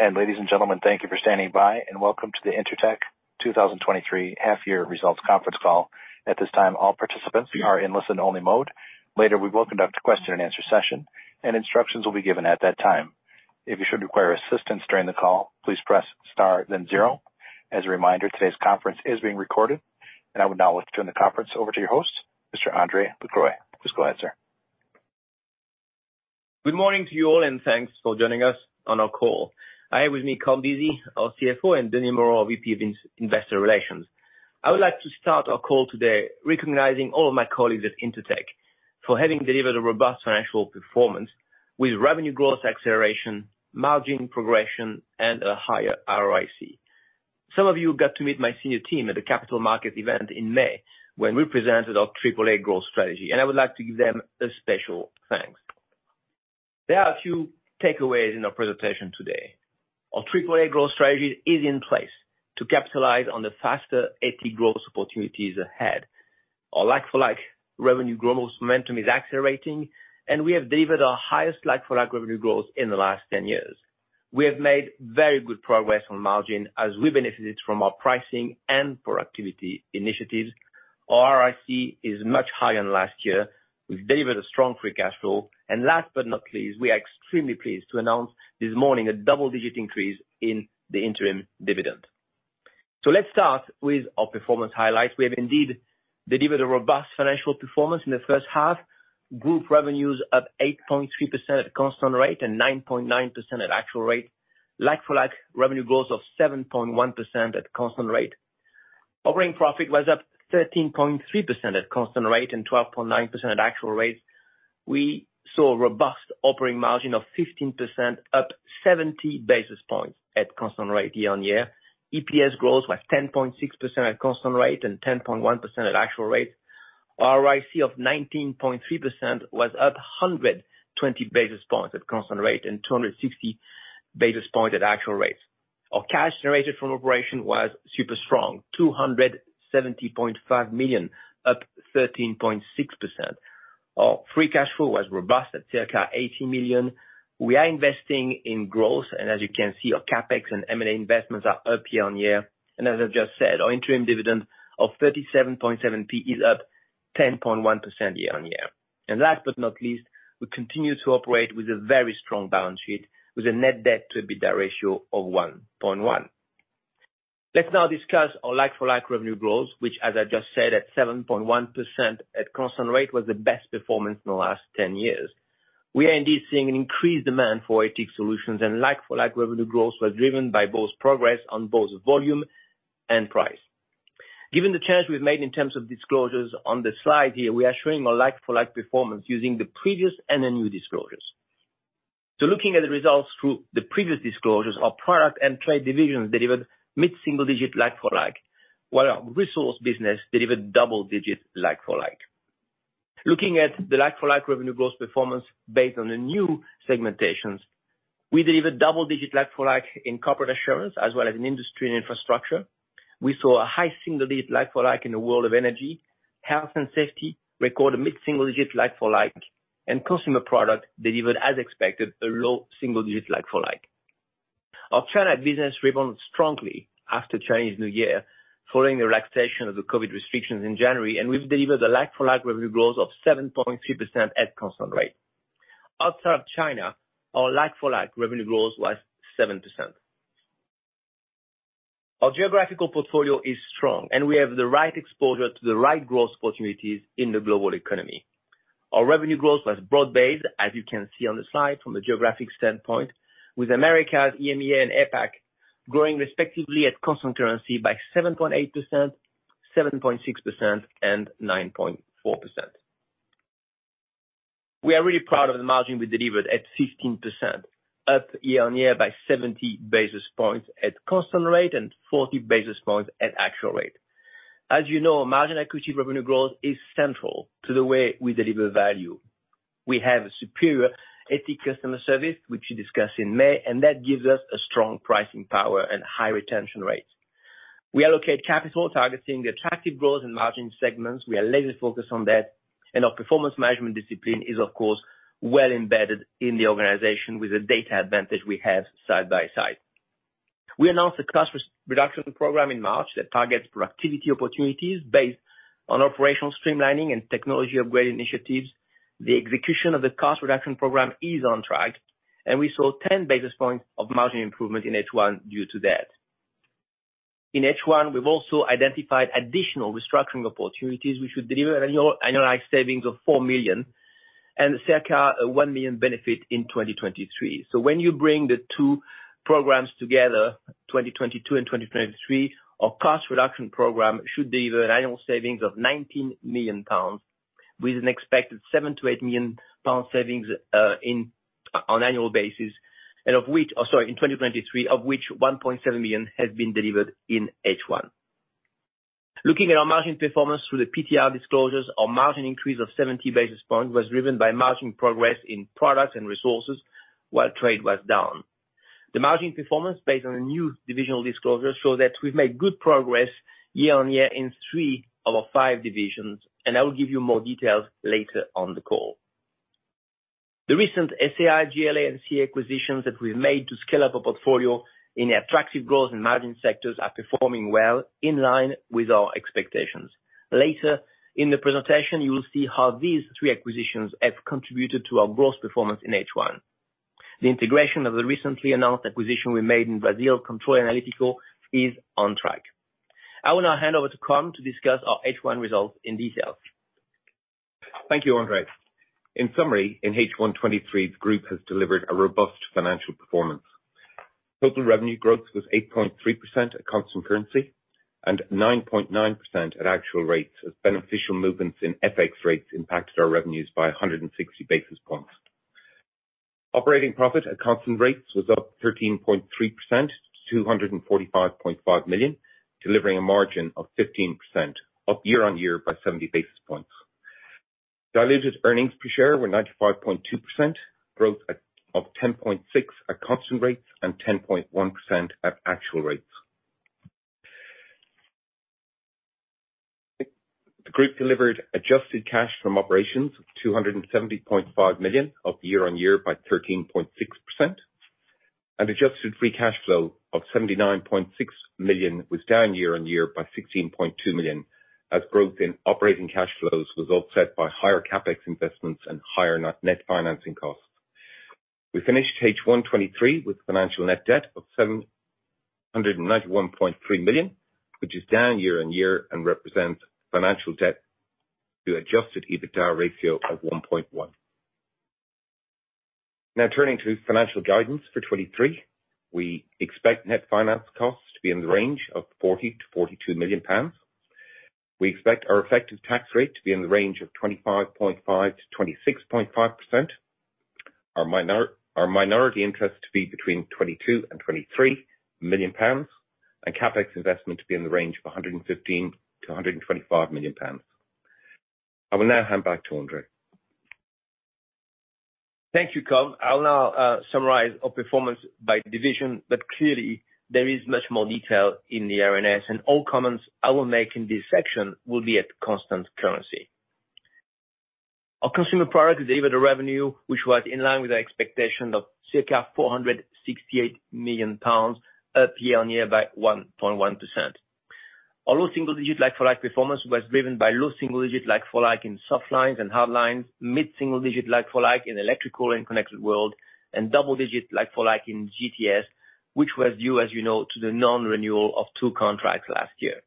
Ladies and gentlemen, thank you for standing by, and welcome to the Intertek 2023 Half Year Results Conference Call. At this time, all participants are in listen only mode. Later, we will conduct a question and answer session, and instructions will be given at that time. If you should require assistance during the call, please press star then zero. As a reminder, today's conference is being recorded, and I would now like to turn the conference over to your host, Mr. André Lacroix. Please go ahead, sir. Good morning to you all, thanks for joining us on our call. I have with me Colm Deasy, our CFO, and Denis Moreau, our VP of Investor Relations. I would like to start our call today recognizing all of my colleagues at Intertek, for having delivered a robust financial performance with revenue growth, acceleration, margin progression, and a higher ROIC. Some of you got to meet my senior team at the capital market event in May, when we presented our AAA growth strategy, and I would like to give them a special thanks. There are a few takeaways in our presentation today. Our AAA growth strategy is in place to capitalize on the faster AT growth opportunities ahead. Our like-for-like revenue growth momentum is accelerating, and we have delivered our highest like-for-like revenue growth in the last 10 years. We have made very good progress on margin as we benefited from our pricing and productivity initiatives. Our ROIC is much higher than last year. We've delivered a strong free cash flow, and last but not least, we are extremely pleased to announce this morning a double-digit increase in the interim dividend. Let's start with our performance highlights. We have indeed delivered a robust financial performance in the H1. Group revenues up 8.3% at constant rate and 9.9% at actual rate. Like-for-like, revenue growth of 7.1% at constant rate. Operating profit was up 13.3% at constant rate, and 12.9% at actual rate. We saw a robust operating margin of 15%, up 70 basis points at constant rate year-on-year. EPS growth was 10.6% at constant rate and 10.1% at actual rate. ROIC of 19.3% was up 120 basis points at constant rate, and 260 basis points at actual rate. Our cash generated from operation was super strong, 270.5 million, up 13.6%. Our free cash flow was robust at circa 80 million. We are investing in growth, as you can see, our CapEx and M&A investments are up year-on-year. As I've just said, our interim dividend of 37.7 P is up 10.1% year-on-year. Last but not least, we continue to operate with a very strong balance sheet, with a net debt to EBITDA ratio of 1.1. Let's now discuss our like-for-like revenue growth, which, as I just said, at 7.1% at constant rate, was the best performance in the last 10 years. We are indeed seeing an increased demand for AT solutions. Like-for-like revenue growth was driven by both progress on both volume and price. Given the change we've made in terms of disclosures on the slide here, we are showing a like-for-like performance using the previous and the new disclosures. Looking at the results through the previous disclosures, our product and trade divisions delivered mid-single digit like-for-like, while our resource business delivered double digit like-for-like. Looking at the like-for-like revenue growth performance based on the new segmentations, we delivered double digit like-for-like in Corporate Assurance as well as in industry and infrastructure. We saw a high single digit like-for-like in the world of energy. Health and safety recorded a mid-single digit like-for-like, consumer product delivered as expected, a low single digit like-for-like. Our China business rebound strongly after Chinese New Year, following the relaxation of the COVID restrictions in January, we've delivered a like-for-like revenue growth of 7.3% at constant rate. Outside of China, our like-for-like revenue growth was 7%. Our geographical portfolio is strong, we have the right exposure to the right growth opportunities in the global economy. Our revenue growth was broad-based, as you can see on the slide from a geographic standpoint, with Americas, EMEA and APAC growing respectively at constant currency by 7.8%, 7.6%, and 9.4%. We are really proud of the margin we delivered at 15%, up year-on-year by 70 basis points at constant rate and 40 basis points at actual rate. As you know, margin equity revenue growth is central to the way we deliver value. We have a superior AT customer service, which we discussed in May. That gives us a strong pricing power and high retention rates. We allocate capital targeting the attractive growth and margin segments. We are laser focused on that. Our performance management discipline is, of course, well embedded in the organization with the data advantage we have side by side. We announced a cost reduction program in March that targets productivity opportunities based on operational streamlining and technology upgrade initiatives. The execution of the cost reduction program is on track. We saw 10 basis points of margin improvement in H1 due to that. In H1, we've also identified additional restructuring opportunities, which should deliver annualized savings of 4 million and circa a 1 million benefit in 2023. When you bring the two programs together, 2022 and 2023, our cost reduction program should deliver an annual savings of 19 million pounds with an expected 7 million-8 million pound savings on annual basis, oh, sorry, in 2023, of which 1.7 million has been delivered in H1. Looking at our margin performance through the PTR disclosures, our margin increase of 70 basis points was driven by margin progress in Products and Resources, while Trade was down. The margin performance based on the new divisional disclosure, show that we've made good progress year-on-year in 3 of our 5 divisions. I will give you more details later on the call. The recent SAI, JLA, and CEA acquisitions that we've made to scale up our portfolio in attractive growth and margin sectors, are performing well, in line with our expectations. Later in the presentation, you will see how these 3 acquisitions have contributed to our growth performance in H1. The integration of the recently announced acquisition we made in Brazil, Controle Analítico, is on track. I will now hand over to Colm to discuss our H1 results in details. Thank you, André. In summary, in H1 2023, the group has delivered a robust financial performance. Total revenue growth was 8.3% at constant currency, and 9.9% at actual rates, as beneficial movements in FX rates impacted our revenues by 160 basis points. Operating profit at constant rates was up 13.3% to 245.5 million, delivering a margin of 15%, up year-on-year by 70 basis points. Diluted earnings per share were 95.2%, growth at, of 10.6 at constant rates and 10.1% at actual rates. The group delivered adjusted cash from operations of 270.5 million, up year-on-year by 13.6%. Adjusted free cash flow of 79.6 million was down year-on-year by 16.2 million, as growth in operating cash flows was offset by higher CapEx investments and higher net, net financing costs. We finished H1 2023 with financial net debt of 791.3 million, which is down year-on-year and represents financial debt to adjusted EBITDA ratio of 1.1. Turning to financial guidance for 2023. We expect net finance costs to be in the range of 40 million-42 million pounds. We expect our effective tax rate to be in the range of 25.5%-26.5%. Our minority interest to be between 22 million and 23 million pounds, and CapEx investment to be in the range of 115 million-125 million pounds. I will now hand back to André. Thank you, Colm. I'll now summarize our performance by division, but clearly, there is much more detail in the RNS, and all comments I will make in this section will be at constant currency. Our consumer product delivered a revenue, which was in line with our expectation of circa 468 million pounds, up year-on-year by 1.1%. Our low single digit like-for-like performance was driven by low single digit like-for-like in softlines and hardlines, mid-single digit like-for-like in electrical and connected world, and double digit like-for-like in GTS, which was due, as you know, to the non-renewal of two contracts last year.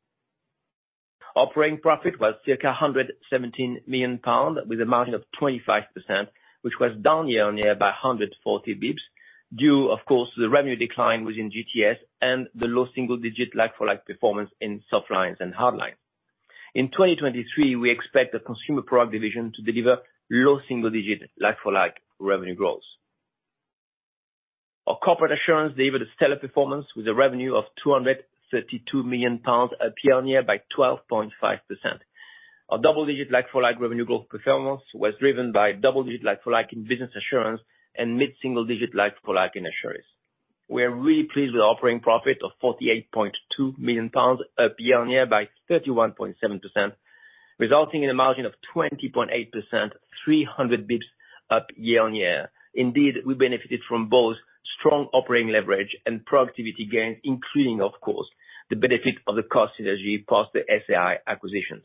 Operating profit was circa 117 million pounds, with a margin of 25%, which was down year-on-year by 140 BPS, due of course, to the revenue decline within GTS and the low single digit like-for-like performance in softlines and hardline. In 2023, we expect the consumer product division to deliver low single digit, like-for-like revenue growth. Our Corporate Assurance delivered a stellar performance, with a revenue of 232 million pounds, up year-on-year by 12.5%. Our double digit like-for-like revenue growth performance was driven by double digit like-for-like in Business Assurance, and mid-single digit like-for-like in Assurance. We are really pleased with the operating profit of 48.2 million pounds, up year-on-year by 31.7%, resulting in a margin of 20.8%, 300 BPS up year-on-year. Indeed, we benefited from both strong operating leverage and productivity gains, including, of course, the benefit of the cost synergy post the SAI acquisitions.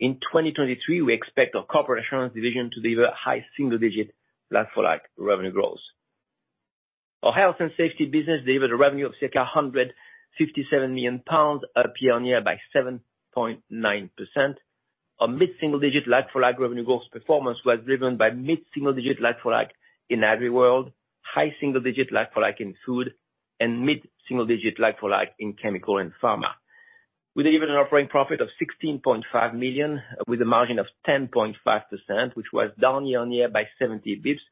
In 2023, we expect our Corporate Assurance division to deliver high single digit like-for-like revenue growth. Our health and safety business delivered a revenue of circa 157 million pounds, up year-on-year by 7.9%. Our mid-single digit like-for-like revenue growth performance was driven by mid-single digit like-for-like in AgriWorld, high single digit like-for-like in food, and mid-single digit like-for-like in Chemical and Pharma. We delivered an operating profit of 16.5 million, with a margin of 10.5%, which was down year-on-year by 70 basis points,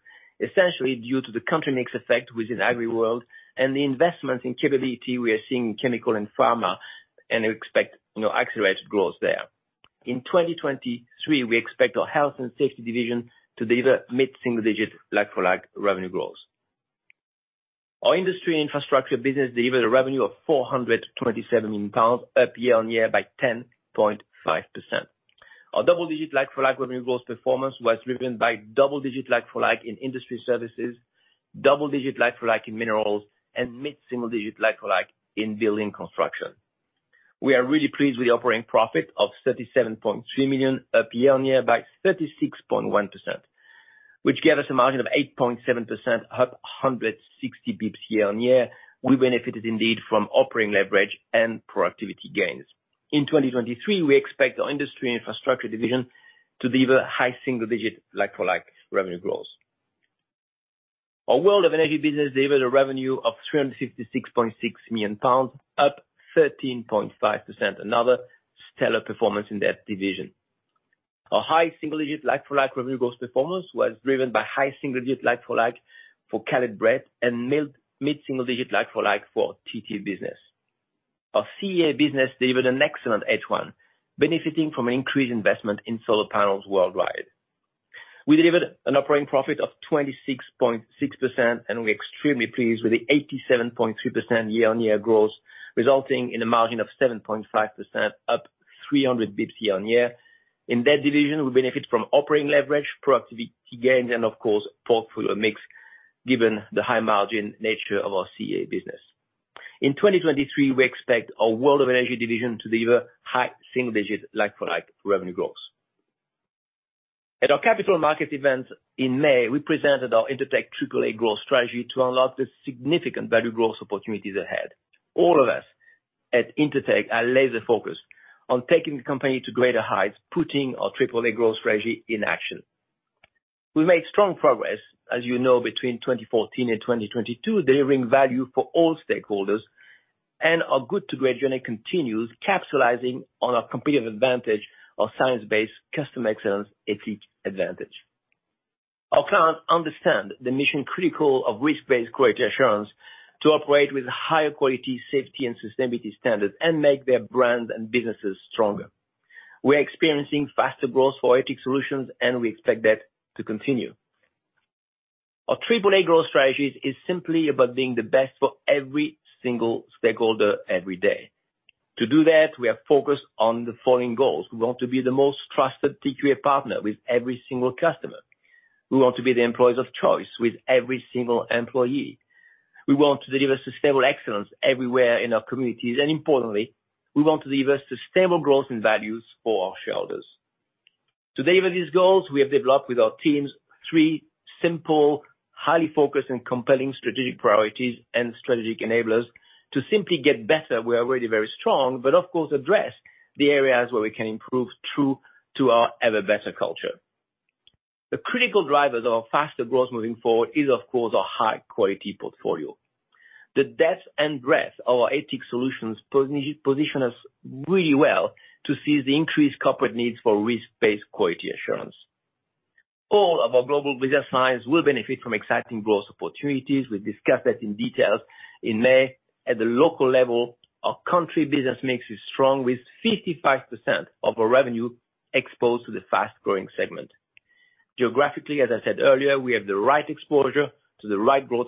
essentially due to the country mix effect within AgriWorld, and the investment in capability we are seeing in Chemical and Pharma, and we expect, you know, accelerated growth there. In 2023, we expect our health and safety division to deliver mid-single digit like-for-like revenue growth. Our industry infrastructure business delivered a revenue of 427 million pounds, up year-on-year by 10.5%. Our double digit like-for-like revenue growth performance was driven by double digit like-for-like in industry services, double digit like-for-like in minerals, and mid-single digit like-for-like in building construction. We are really pleased with the operating profit of 37.3 million, up year-on-year by 36.1%, which gave us a margin of 8.7%, up 160 basis points year-on-year. We benefited indeed, from operating leverage and productivity gains. In 2023, we expect our industry and infrastructure division to deliver high single digit like-for-like revenue growth. Our World of Energy business delivered a revenue of 366.6 million pounds, up 13.5%. Another stellar performance in that division. Our high single digit like-for-like revenue growth performance was driven by high single digit like-for-like for Caleb Brett, and mid, mid-single digit like-for-like for TT Business. Our CEA business delivered an excellent H1, benefiting from an increased investment in solar panels worldwide. We delivered an operating profit of 26.6%, and we're extremely pleased with the 87.3% year-on-year growth, resulting in a margin of 7.5%, up 300 BPS year-on-year. In that division, we benefit from operating leverage, productivity gains, and of course, portfolio mix, given the high margin nature of our CA business. In 2023, we expect our World of Energy division to deliver high single digit, like-for-like, revenue growth. At our capital market event in May, we presented our Intertek AAA growth strategy to unlock the significant value growth opportunities ahead. All of us at Intertek are laser focused on taking the company to greater heights, putting our AAA growth strategy in action. We made strong progress, as you know, between 2014 and 2022, delivering value for all stakeholders, and our good to great journey continues, capitalizing on our competitive advantage of science-based customer excellence, ethics advantage. Our clients understand the mission critical of risk-based quality assurance to operate with higher quality, safety, and sustainability standards, and make their brands and businesses stronger. We are experiencing faster growth for ethics solutions, and we expect that to continue. Our AAA growth strategy is simply about being the best for every single stakeholder, every day. To do that, we are focused on the following goals: We want to be the most trusted TQA partner with every single customer. We want to be the employers of choice with every single employee. We want to deliver sustainable excellence everywhere in our communities, and importantly, we want to deliver sustainable growth and values for our shareholders. To deliver these goals, we have developed with our teams three simple, highly focused, and compelling strategic priorities and strategic enablers to simply get better. We are already very strong, but of course address the areas where we can improve through to our ever better culture. The critical drivers of our faster growth moving forward is, of course, our high quality portfolio. The depth and breadth of our ATIC solutions position us really well to seize the increased corporate needs for risk-based quality assurance. All of our global business science will benefit from exciting growth opportunities. We discussed that in details in May. At the local level, our country business mix is strong, with 55% of our revenue exposed to the fast-growing segment. Geographically, as I said earlier, we have the right exposure to the right growth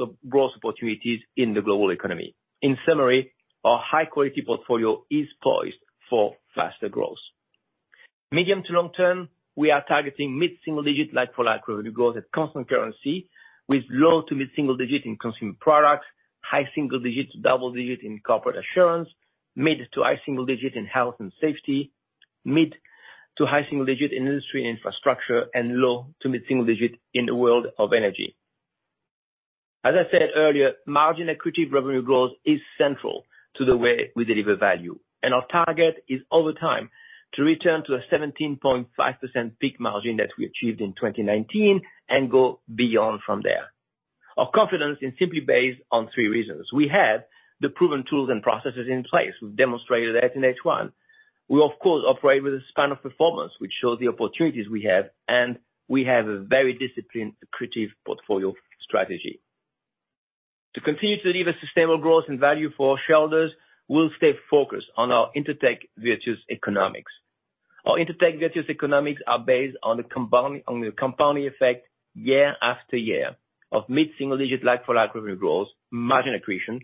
opportunities in the global economy. In summary, our high quality portfolio is poised for faster growth. Medium to long term, we are targeting mid-single digit, like-for-like, revenue growth at constant currency, with low to mid-single digit in consumer products, high single digit to double digit in Corporate Assurance, mid to high single digit in health and safety, mid to high single digit in industry and infrastructure, and low to mid-single digit in the world of energy. As I said earlier, margin accretive revenue growth is central to the way we deliver value. Our target is over time, to return to a 17.5% peak margin that we achieved in 2019, and go beyond from there. Our confidence is simply based on 3 reasons. We have the proven tools and processes in place. We've demonstrated that in H1. We, of course, operate with a span of performance, which shows the opportunities we have, and we have a very disciplined, accretive portfolio strategy. To continue to deliver sustainable growth and value for our shareholders, we'll stay focused on our Intertek Virtuous Economics. Our Intertek Virtuous Economics are based on the compounding effect year after year of mid-single-digit, like-for-like, revenue growth, margin accretion,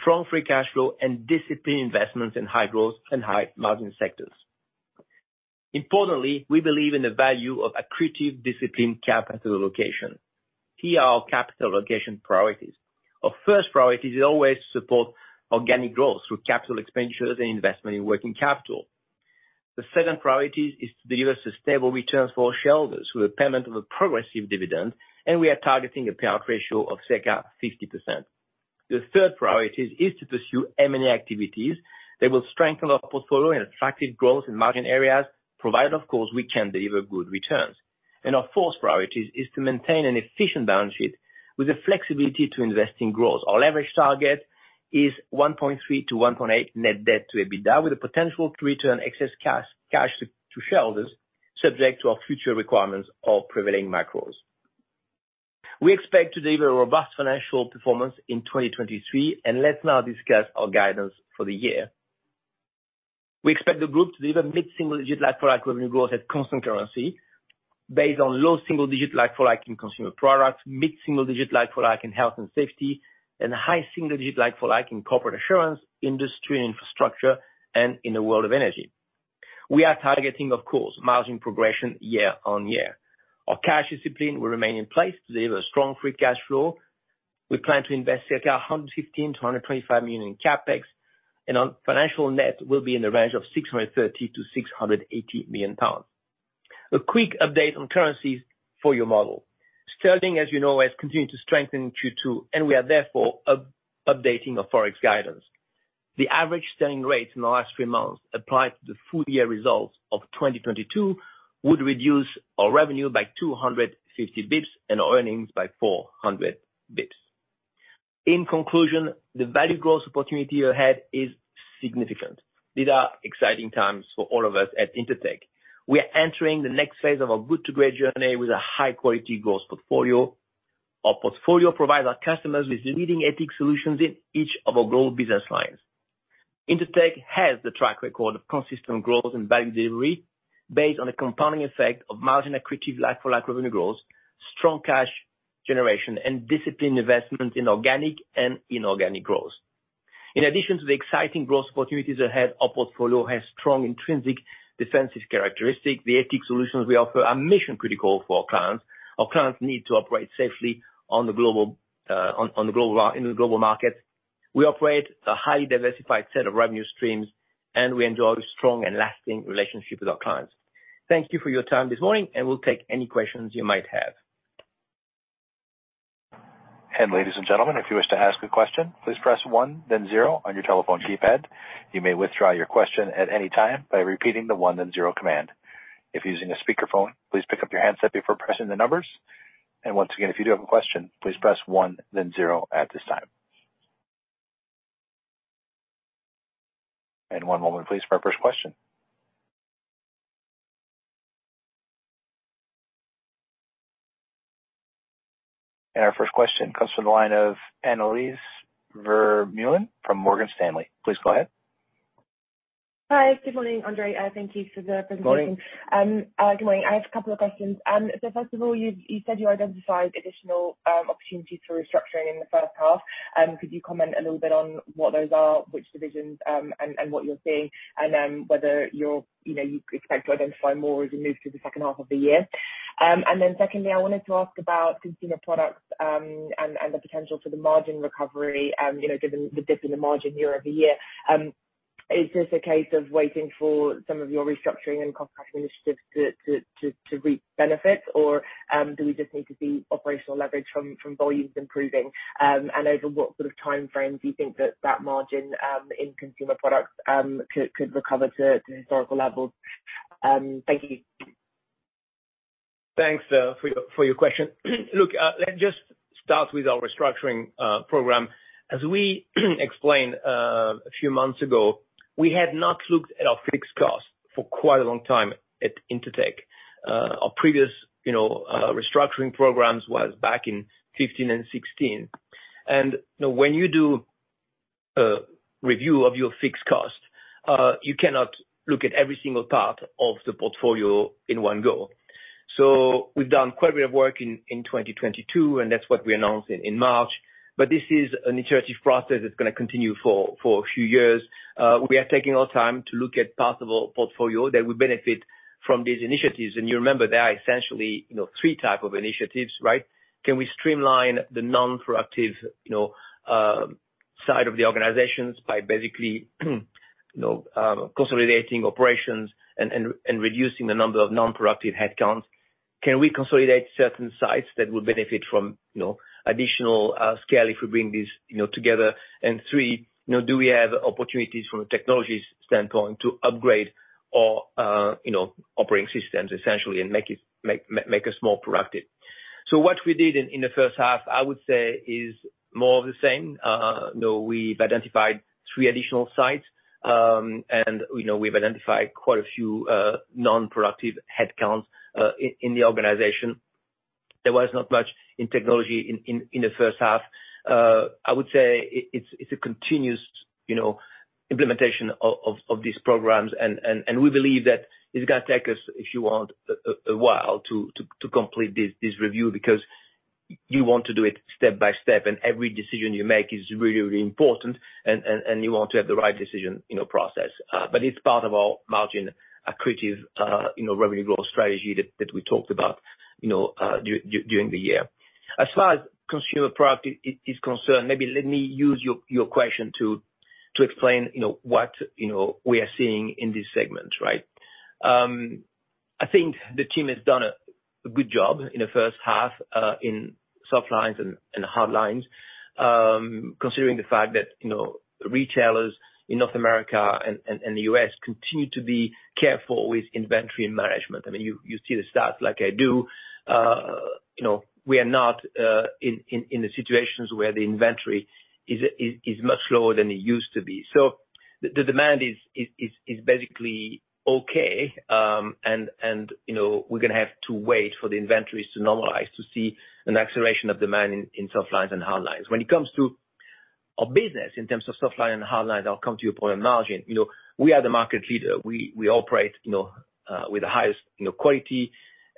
strong free cash flow, and disciplined investments in high growth and high margin sectors. Importantly, we believe in the value of accretive disciplined capital allocation. Here are our capital allocation priorities. Our first priority is always support organic growth through capital expenditures and investment in working capital. The second priority is to deliver sustainable returns for our shareholders, through the payment of a progressive dividend, and we are targeting a payout ratio of circa 50%. The third priority is to pursue M&A activities that will strengthen our portfolio and attractive growth in margin areas, provided of course, we can deliver good returns. Our fourth priority is to maintain an efficient balance sheet with the flexibility to invest in growth. Our leverage target is 1.3-1.8 net debt to EBITDA, with the potential to return excess cash, cash to shareholders, subject to our future requirements or prevailing macros. We expect to deliver a robust financial performance in 2023. Let's now discuss our guidance for the year. We expect the group to deliver mid-single digit, like-for-like, revenue growth at constant currency, based on low single digit, like-for-like, in consumer products, mid-single digit, like-for-like, in health and safety, and high single digit, like-for-like, in Corporate Assurance, industry and infrastructure, and in the world of energy. We are targeting, of course, margin progression year-on-year. Our cash discipline will remain in place to deliver strong free cash flow. We plan to invest circa 115 million-125 million in CapEx. Our financial net will be in the range of 630 million-680 million pounds. A quick update on currencies for your model. Sterling, as you know, has continued to strengthen Q2. We are therefore updating our Forex guidance. The average sterling rates in the last three months applied to the full year results of 2022, would reduce our revenue by 250 BPS and our earnings by 400 BPS. In conclusion, the value growth opportunity ahead is significant. These are exciting times for all of us at Intertek. We are entering the next phase of our good to great journey with a high quality growth portfolio. Our portfolio provides our customers with leading ethics solutions in each of our global business lines. Intertek has the track record of consistent growth and value delivery based on the compounding effect of margin accretive like-for-like revenue growth, strong cash generation, and disciplined investment in organic and inorganic growth. In addition to the exciting growth opportunities ahead, our portfolio has strong intrinsic defensive characteristics. The ethical solutions we offer are mission-critical for our clients. Our clients need to operate safely in the global market. We operate a highly diversified set of revenue streams. We enjoy strong and lasting relationships with our clients. Thank you for your time this morning. We'll take any questions you might have. Ladies and gentlemen, if you wish to ask a question, please press one then zero on your telephone keypad. You may withdraw your question at any time by repeating the one then zero command. If you're using a speakerphone, please pick up your handset before pressing the numbers. Once again, if you do have a question, please press one then zero at this time. One moment, please, for our first question. Our first question comes from the line of Annelies Vermeulen from Morgan Stanley. Please go ahead. Hi. Good morning, André, thank you for the presentation. Morning. Good morning. I have a couple of questions. First of all, you said you identified additional opportunities for restructuring in the H1. Could you comment a little bit on what those are, which divisions, and what you're seeing, and whether you're you know, you expect to identify more as we move through the H2 of the year? Secondly, I wanted to ask about consumer products, and the potential for the margin recovery, you know, given the dip in the margin year-over-year. Is this a case of waiting for some of your restructuring and cost-cutting initiatives to reap benefits? Or do we just need to see operational leverage from volumes improving? Over what sort of timeframe do you think that that margin in consumer products could recover to historical levels? Thank you. Thanks, for your, for your question. Look, let's just start with our restructuring program. As we explained, a few months ago, we had not looked at our fixed costs for quite a long time at Intertek. Our previous, you know, restructuring programs was back in 2015 and 2016. You know, when you do a review of your fixed cost, you cannot look at every single part of the portfolio in one go. We've done quite a bit of work in, in 2022, and that's what we announced in, in March. This is an iterative process that's gonna continue for, for a few years. We are taking our time to look at possible portfolio that will benefit from these initiatives. You remember, there are essentially, you know, 3 type of initiatives, right? Can we streamline the non-productive, you know, side of the organizations by basically, you know, consolidating operations and, and, and reducing the number of non-productive headcounts? Can we consolidate certain sites that will benefit from, you know, additional scale if we bring these, you know, together? Three, you know, do we have opportunities from a technologies standpoint to upgrade or, you know, operating systems essentially, and make us more productive? What we did in, in the H1, I would say, is more of the same. You know, we've identified three additional sites. And, you know, we've identified quite a few, non-productive headcounts, in, in the organization. There was not much in technology in the H1. I would say it, it's a continuous, you know, implementation of these programs, and we believe that it's gonna take us, if you want a while to complete this review, because you want to do it step by step, and every decision you make is really, really important, and you want to have the right decision, in your process. It's part of our margin accretive, you know, revenue growth strategy that we talked about, you know, during the year. As far as consumer product is concerned, maybe let me use your question to, to explain, you know, what, you know, we are seeing in this segment, right? I think the team has done a good job in the H1 in soft lines and hard lines, considering the fact that, you know, retailers in North America and the US continue to be careful with inventory and management. I mean, you see the stats like I do. You know, we are not in the situations where the inventory is much lower than it used to be. The demand is basically okay, you know, we're gonna have to wait for the inventories to normalize, to see an acceleration of demand in soft lines and hard lines. When it comes to our business in terms of soft line and hard lines, I'll come to your point on margin. You know, we are the market leader. We, we operate, you know, with the highest, you know, quality.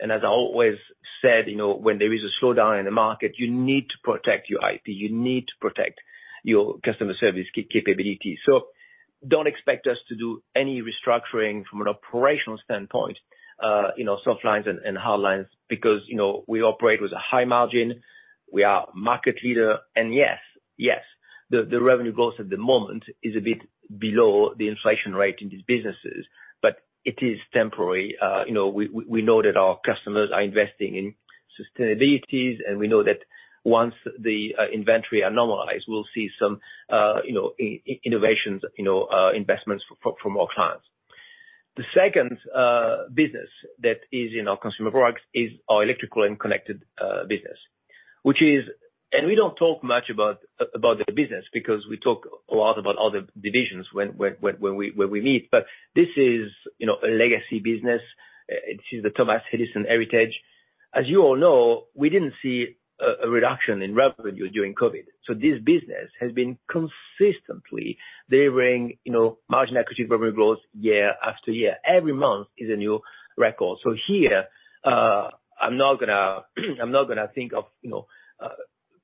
As I always said, you know, when there is a slowdown in the market, you need to protect your IP, you need to protect your customer service capability. Don't expect us to do any restructuring from an operational standpoint, you know, soft lines and hard lines, because, you know, we operate with a high margin. We are market leader. Yes, the revenue growth at the moment is a bit below the inflation rate in these businesses, but it is temporary. You know, we know that our customers are investing in sustainabilities. We know that once the inventory are normalized, we'll see some, you know, innovations, you know, investments from our clients. The second business that is in our consumer products is our electrical and connected business, which is and we don't talk much about, about the business, because we talk a lot about other divisions when we meet, but this is, you know, a legacy business. This is the Thomas Edison heritage. As you all know, we didn't see a reduction in revenue during COVID. This business has been consistently delivering, you know, margin equity, revenue growth, year after year. Every month is a new record. Here, I'm not gonna think of, you know,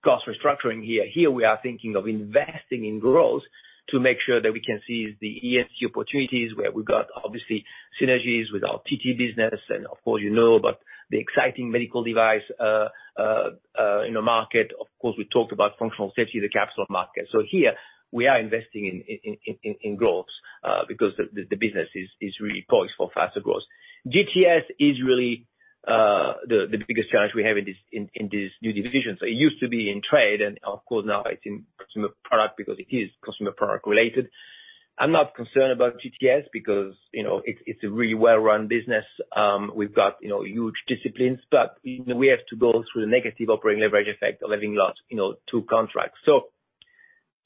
cost restructuring here. Here, we are thinking of investing in growth to make sure that we can seize the ESG opportunities, where we've got obviously synergies with our TT business. Of course, you know, about the exciting medical device in the market. Of course, we talked about functional safety, the Capex market. Here, we are investing in growth because the business is really poised for faster growth. GTS is really the biggest challenge we have in this new division. It used to be in trade, and of course, now it's in consumer product because it is consumer product related. I'm not concerned about GTS because, you know, it's a really well-run business. We've got, you know, huge disciplines, but, you know, we have to go through the negative operating leverage effect of having lost, you know, two contracts.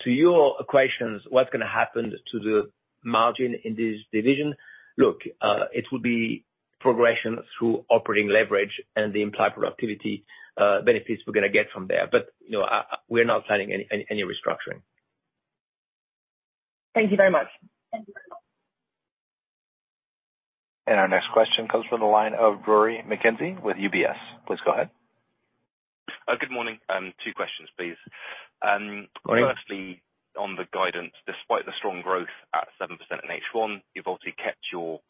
To your questions, what's gonna happen to the margin in this division? Look, it will be progression through operating leverage and the implied productivity, benefits we're gonna get from there. You know, we're not planning any, any, any restructuring. Thank you very much. Our next question comes from the line of Rory McKenzie with UBS. Please go ahead. Good morning. Two questions, please. Morning. Firstly, on the guidance, despite the strong growth at 7% in H1, you've obviously kept your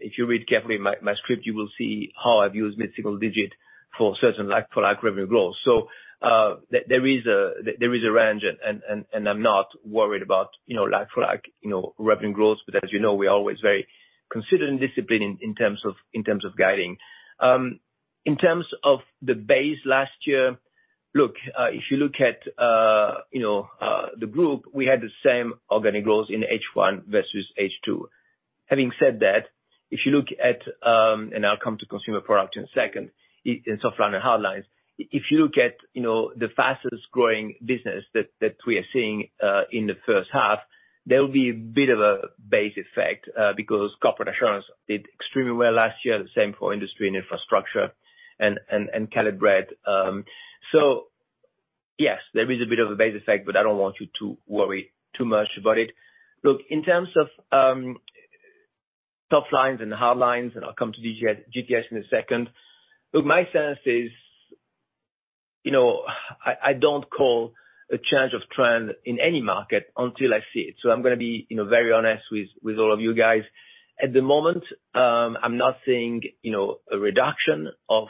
If you read carefully my script, you will see how I've used mid-single digit for certain like-for-like revenue growth. There is a range, and I'm not worried about, you know, like-for-like, you know, revenue growth, but as you know, we're always very considered and disciplined in terms of guiding. In terms of the base last year, look, if you look at the group, we had the same organic growth in H1 versus H2. Having said that, if you look at, and I'll come to consumer product in a second, in softline and hardlines, if you look at the fastest growing business that we are seeing in the H1, there will be a bit of a base effect, because Corporate Assurance did extremely well last year, the same for industry and infrastructure and Caleb Brett. Yes, there is a bit of a base effect, but I don't want you to worry too much about it. Look, in terms of softlines and hardlines, and I'll come to GTS in a second. My sense is, you know, I don't call a change of trend in any market until I see it. I'm gonna be, you know, very honest with, with all of you guys. At the moment, I'm not seeing, you know, a reduction of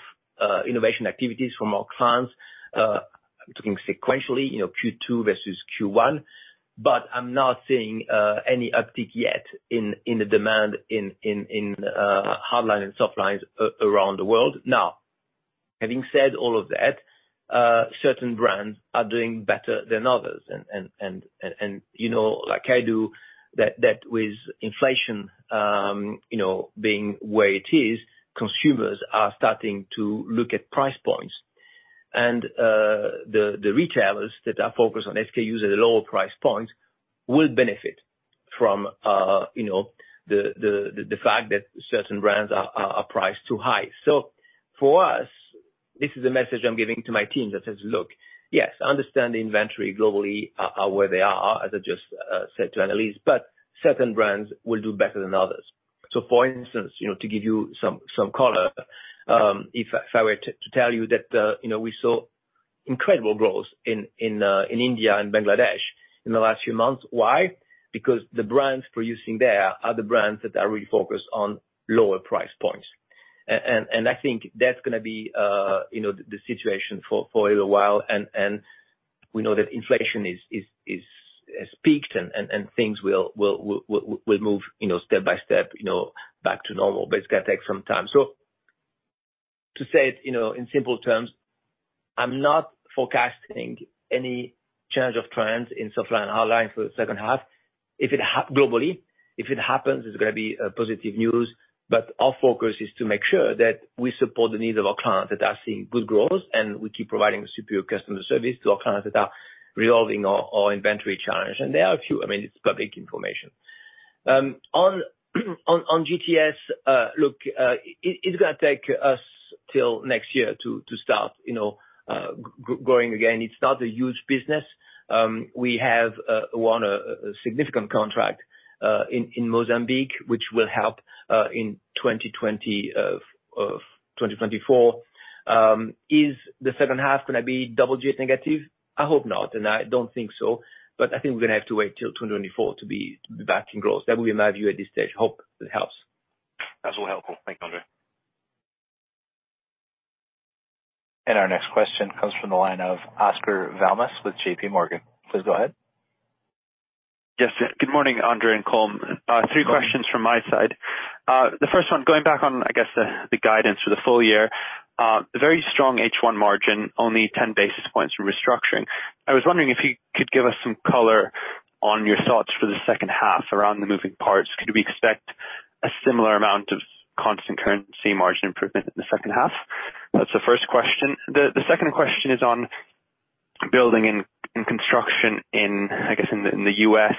innovation activities from our clients. I'm talking sequentially, you know, Q2 versus Q1, but I'm not seeing any uptick yet in the demand in hardline and softlines around the world. Having said all of that, certain brands are doing better than others. You know, like I do that with inflation, you know, being where it is, consumers are starting to look at price points. The retailers that are focused on SKUs at a lower price points will benefit from, you know, the fact that certain brands are priced too high. For us, this is a message I'm giving to my team that says: Look, yes, I understand the inventory globally are where they are, as I just said to Annelies, but certain brands will do better than others. For instance, you know, to give you some color, if I were to tell you that, you know, we saw incredible growth in India and Bangladesh in the last few months. Why? Because the brands producing there are the brands that are really focused on lower price points. I think that's gonna be, you know, the situation for a little while, and we know that inflation is peaked and things will move, you know, step by step, you know, back to normal. It's gonna take some time. To say it, you know, in simple terms, I'm not forecasting any change of trends in softline and hardline for the H2. If it globally, if it happens, it's gonna be a positive news, but our focus is to make sure that we support the needs of our clients, that are seeing good growth, and we keep providing superior customer service to our clients that are resolving our, our inventory challenge. There are a few, I mean, it's public information On GTS, look, it's gonna take us till next year to start, you know, growing again. It's not a huge business. We have won a significant contract in Mozambique, which will help in 2024. Is the H2 gonna be double G negative? I hope not, and I don't think so, but I think we're gonna have to wait till 2024 to be back in growth. That would be my view at this stage. Hope that helps. That's all helpful. Thank you, André. Our next question comes from the line of Oscar Val Mas with JPMorgan. Please go ahead. Yes. Good morning, André and Colm. Three questions from my side. The first one, going back on, I guess, the guidance for the full year. Very strong H1 margin, only 10 basis points from restructuring. I was wondering if you could give us some color on your thoughts for the H2 around the moving parts. Could we expect a similar amount of constant currency margin improvement in the H2? That's the first question. The second question is on building and construction in, I guess, in the US,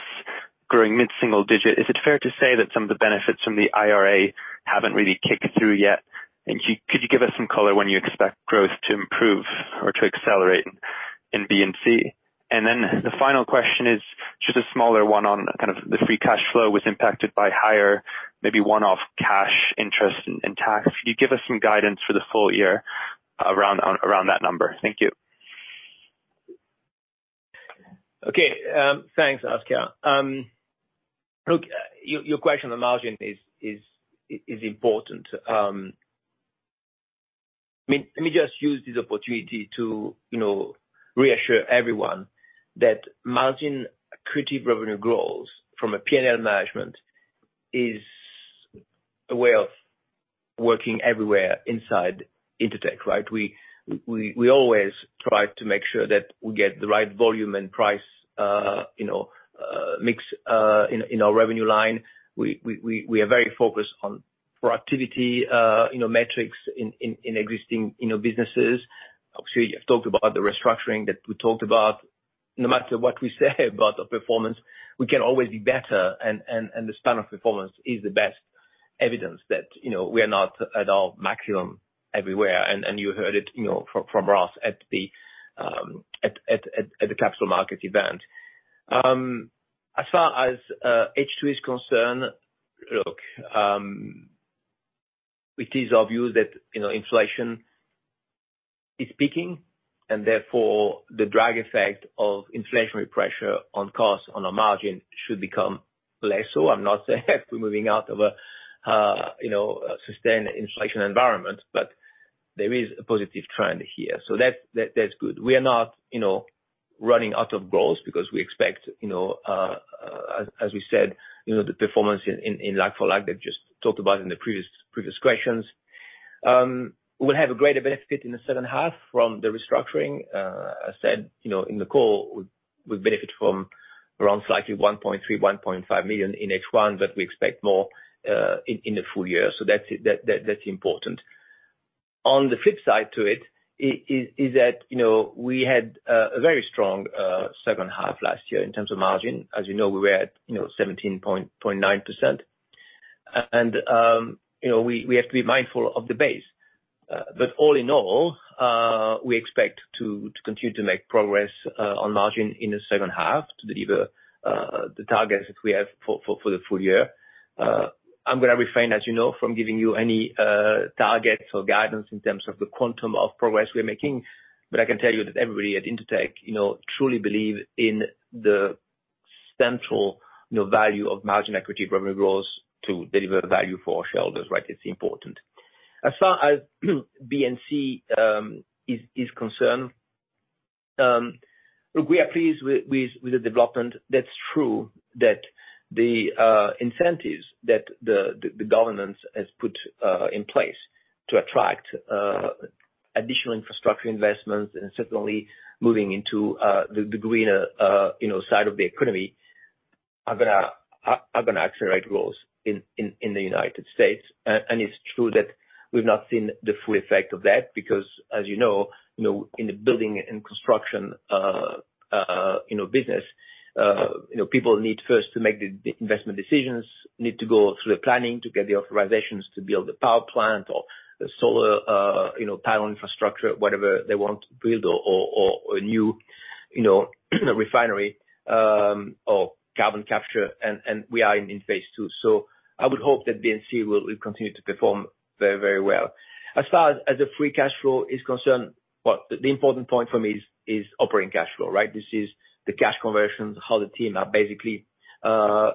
growing mid-single digit. Is it fair to say that some of the benefits from the IRA haven't really kicked through yet? Could you give us some color when you expect growth to improve or to accelerate in B&C? The final question is just a smaller one on kind of the free cash flow was impacted by higher, maybe one-off cash interest and tax. Could you give us some guidance for the full year around that number? Thank you. Okay. Thanks, Oscar. Look, your question on margin is important. Let me just use this opportunity to, you know, reassure everyone that margin accretive revenue growth from a P&L management is a way of working everywhere inside Intertek, right? We always try to make sure that we get the right volume and price, you know, mix in our revenue line. We are very focused on productivity, you know, metrics in existing, you know, businesses. Obviously, I've talked about the restructuring that we talked about. No matter what we say about the performance, we can always be better, and, and, and the span of performance is the best evidence that, you know, we are not at our maximum everywhere, and, and you heard it, you know, from, from Ross at the capital market event. As far as H2 is concerned, look, it is our view that, you know, inflation is peaking, and therefore the drag effect of inflationary pressure on costs, on our margin should become less so. I'm not saying we're moving out of a, you know, a sustained inflation environment, but there is a positive trend here. That's good. We are not, you know, running out of growth because we expect, you know, as, as we said, you know, the performance in like, for like, I just talked about in the previous, previous questions. We'll have a greater benefit in the H2 from the restructuring. I said, you know, in the call, we benefit from around slightly 1.3 million-1.5 million in H1, but we expect more in the full year so that's important. On the flip side to it, is that, you know, we had a very strong H2 last year in terms of margin. As you know, we were at, you know, 17.9%. We, you know, we have to be mindful of the base. All in all, we expect to, to continue to make progress on margin in the H2 to deliver the targets that we have for the full year. I'm gonna refrain, as you know, from giving you any targets or guidance in terms of the quantum of progress we are making, but I can tell you that everybody at Intertek, you know, truly believe in the central, you know, value of margin equity revenue growth to deliver value for our shareholders, right? It's important. As far as B&C is, is concerned, we are pleased with the development. That's true that the incentives that the government has put in place to attract additional infrastructure investments, and certainly moving into the greener, you know, side of the economy, are gonna accelerate growth in the United States. It's true that we've not seen the full effect of that because, as you know, you know, in the building and construction, you know, business, you know, people need first to make the investment decisions, need to go through the planning to get the authorizations to build a power plant or a solar, you know, power infrastructure, whatever they want to build or a new, you know, refinery, or carbon capture, and we are in phase II. I would hope that B&C will continue to perform very, very well. As far as, as the free cash flow is concerned, well, the important point for me is operating cash flow, right? This is the cash conversions, how the team are basically,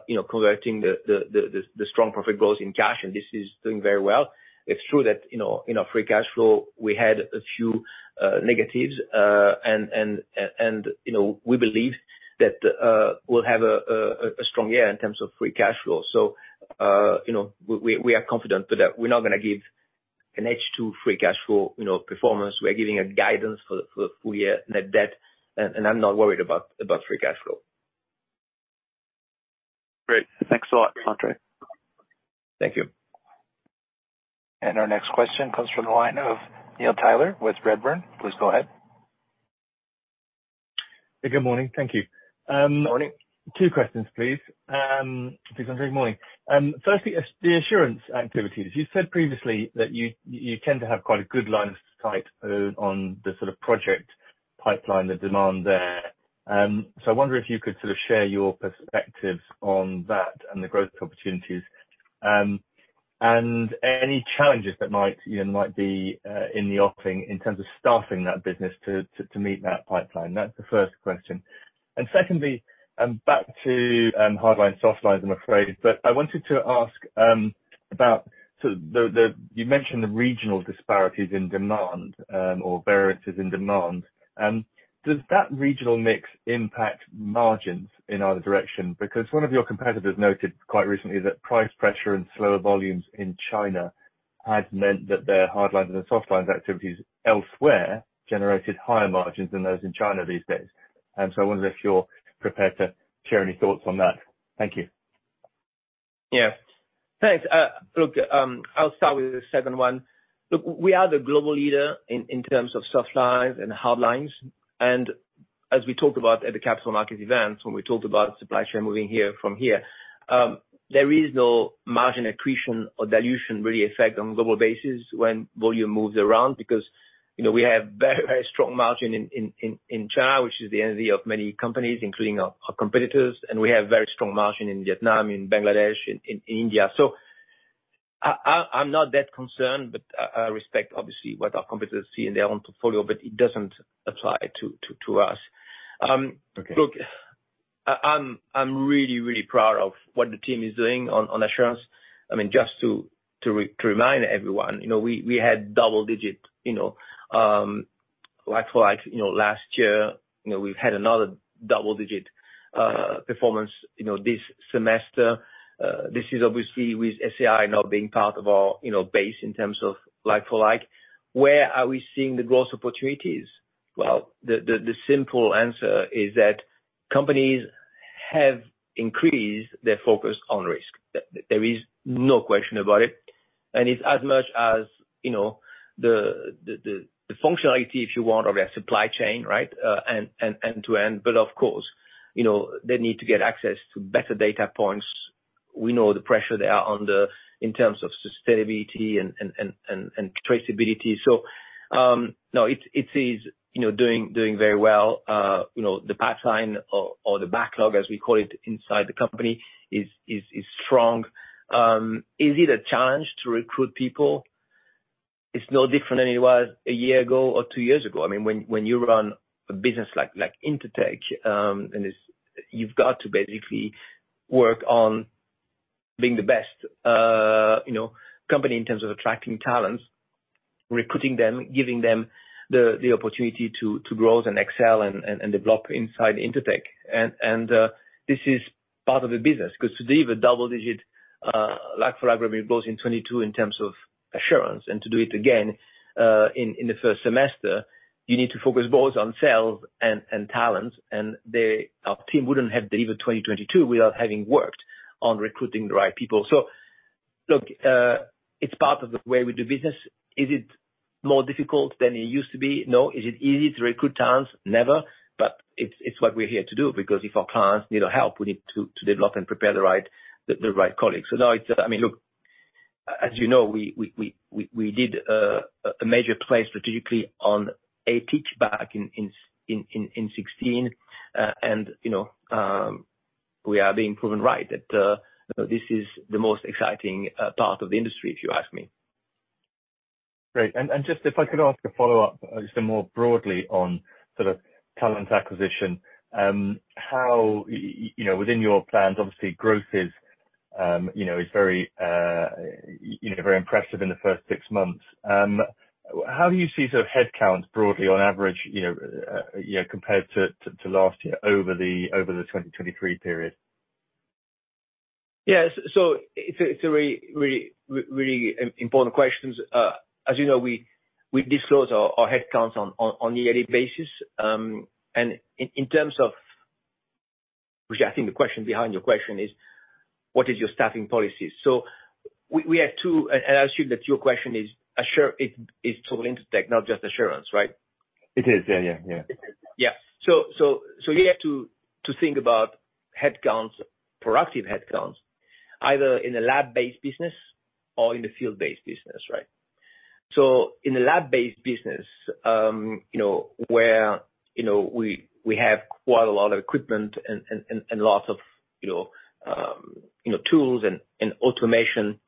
you know, converting the strong profit growth in cash, and this is doing very well. It's true that, you know, in our free cash flow, we had a few negatives, and you know, we believe that we'll have a strong year in terms of free cash flow. You know, we are confident to that. We're not gonna give an H2 free cash flow, you know, performance. We're giving a guidance for the full year net debt, and, and I'm not worried about, about free cash flow. Great. Thanks a lot, André. Thank you. Our next question comes from the line of Neil Tyler with Redburn. Please go ahead. Good morning. Thank you. Morning. Two questions, please. Good morning. Firstly, the Assurance activities, you said previously that you, you tend to have quite a good line of sight on the sort of project pipeline, the demand there. So I wonder if you could sort of share your perspective on that and the growth opportunities and any challenges that might, you know, might be in the offing in terms of staffing that business to meet that pipeline? That's the first question. Secondly, back to hard lines, soft lines, I'm afraid. I wanted to ask about so the you mentioned the regional disparities in demand or variances in demand. Does that regional mix impact margins in either direction? One of your competitors noted quite recently that price pressure and slower volumes in China has meant that their hard lines and soft lines activities elsewhere generated higher margins than those in China these days. I wonder if you're prepared to share any thoughts on that. Thank you. Yeah. Thanks. Look, I'll start with the second one. Look, we are the global leader in terms of soft lines and hard lines, as we talked about at the capital market event, when we talked about supply chain moving here from here, there is no margin accretion or dilution really effect on global basis when volume moves around, because, you know, we have very very strong margin in China, which is the envy of many companies, including our competitors. We have very strong margin in Vietnam, in Bangladesh, in India. I'm not that concerned, but I respect obviously what our competitors see in their own portfolio, but it doesn't apply to us. Okay. Look, I'm really, really proud of what the team is doing on, on Assurance. I mean, just to remind everyone, you know, we, had double digits, you know, like for like, you know, last year, you know, we've had another double digit performance, you know, this semester. This is obviously with SAI now being part of our, you know, base in terms of like for like. Where are we seeing the growth opportunities? Well, the simple answer is that companies have increased their focus on risk. There, there is no question about it, and it's as much as, you know, the functionality, if you want, of a supply chain, right? End-to-end. Of course, you know, they need to get access to better data points. We know the pressure they are under in terms of sustainability and traceability. No, it's, it is, you know, doing very well. You know, the pipeline or, or the backlog, as we call it inside the company, is strong. Is it a challenge to recruit people? It's no different than it was a year ago or two years ago. I mean, when you run a business like Intertek, you've got to basically work on being the best, you know, company in terms of attracting talents, recruiting them, giving them the, the opportunity to grow and excel and develop inside Intertek. This is part of the business, because to deliver double-digit like-for-like growth in 2022 in terms of Assurance and to do it again in the first semester, you need to focus both on sales and talent, and our team wouldn't have delivered 2022 without having worked on recruiting the right people. Look, it's part of the way we do business. Is it more difficult than it used to be? No. Is it easy to recruit talents? Never. It's what we're here to do, because if our clients need our help, we need to develop and prepare the right colleagues. I mean, look, as you know, we did a major play strategically on ATIC back in 2016. You know, we are being proven right, that, this is the most exciting part of the industry, if you ask me. Great. Just if I could ask a follow-up, just more broadly on sort of talent acquisition, you know, within your plans, obviously growth is, you know, is very, you know, very impressive in the first 6 months. How do you see the headcounts broadly on average, you know, compared to last year over the, over the 2023 period? Yes. It's a, it's a really important question. As you know, we disclose our headcounts on a yearly basis. In terms of, which I think the question behind your question is: What is your staffing policy? We, we have two and I assume that your question is assure-is total Intertek, not just Assurance, right? It is. Yeah, yeah, yeah. Yeah. So, so you have to, to think about headcounts, productive headcounts, either in a lab-based business or in a field-based business, right? In a lab-based business, you know, where, you know, we, we have quite a lot of equipment and, and, and, and lots of, you know, you know, tools and, and automation,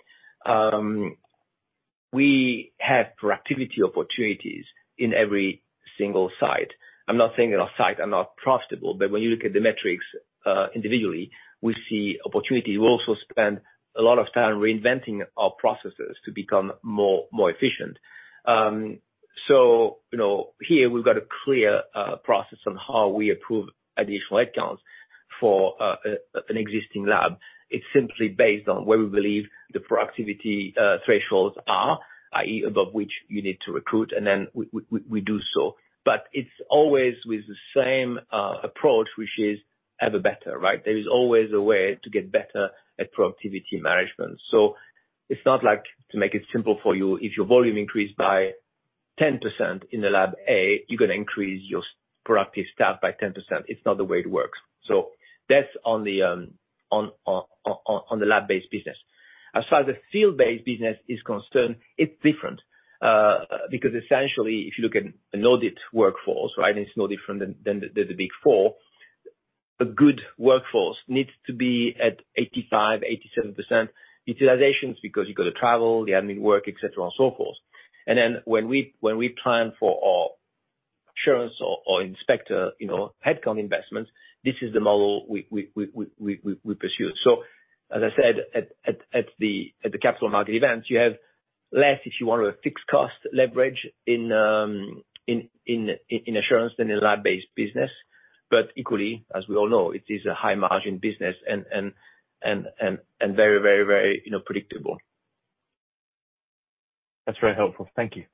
we have productivity opportunities in every single site. I'm not saying that our sites are not profitable, but when you look at the metrics, individually, we see opportunity. We also spend a lot of time reinventing our processes to become more efficient. You know, here we've got a clear, process on how we approve additional headcounts for, an existing lab. It's simply based on where we believe the productivity thresholds are, i.e., above which you need to recruit, and then we do so. It's always with the same approach, which is ever better, right? There is always a way to get better at productivity management. It's not like, to make it simple for you, if your volume increased by 10% in the lab A, you're gonna increase your productive staff by 10%. It's not the way it works. That's on the lab-based business. As far as the field-based business is concerned, it's different, because essentially, if you look at an audit workforce, right? It's no different than the Big Four. A good workforce needs to be at 85%, 87% utilizations, because you've got to travel, the admin work, et cetera, and so forth. Then when we plan for our insurance or inspector, you know, head count investments, this is the model we pursue. As I said, at the capital market event, you have less if you want a fixed cost leverage in insurance than in lab-based business. Equally, as we all know, it is a high margin business and very, you know, predictable. That's very helpful. Thank you.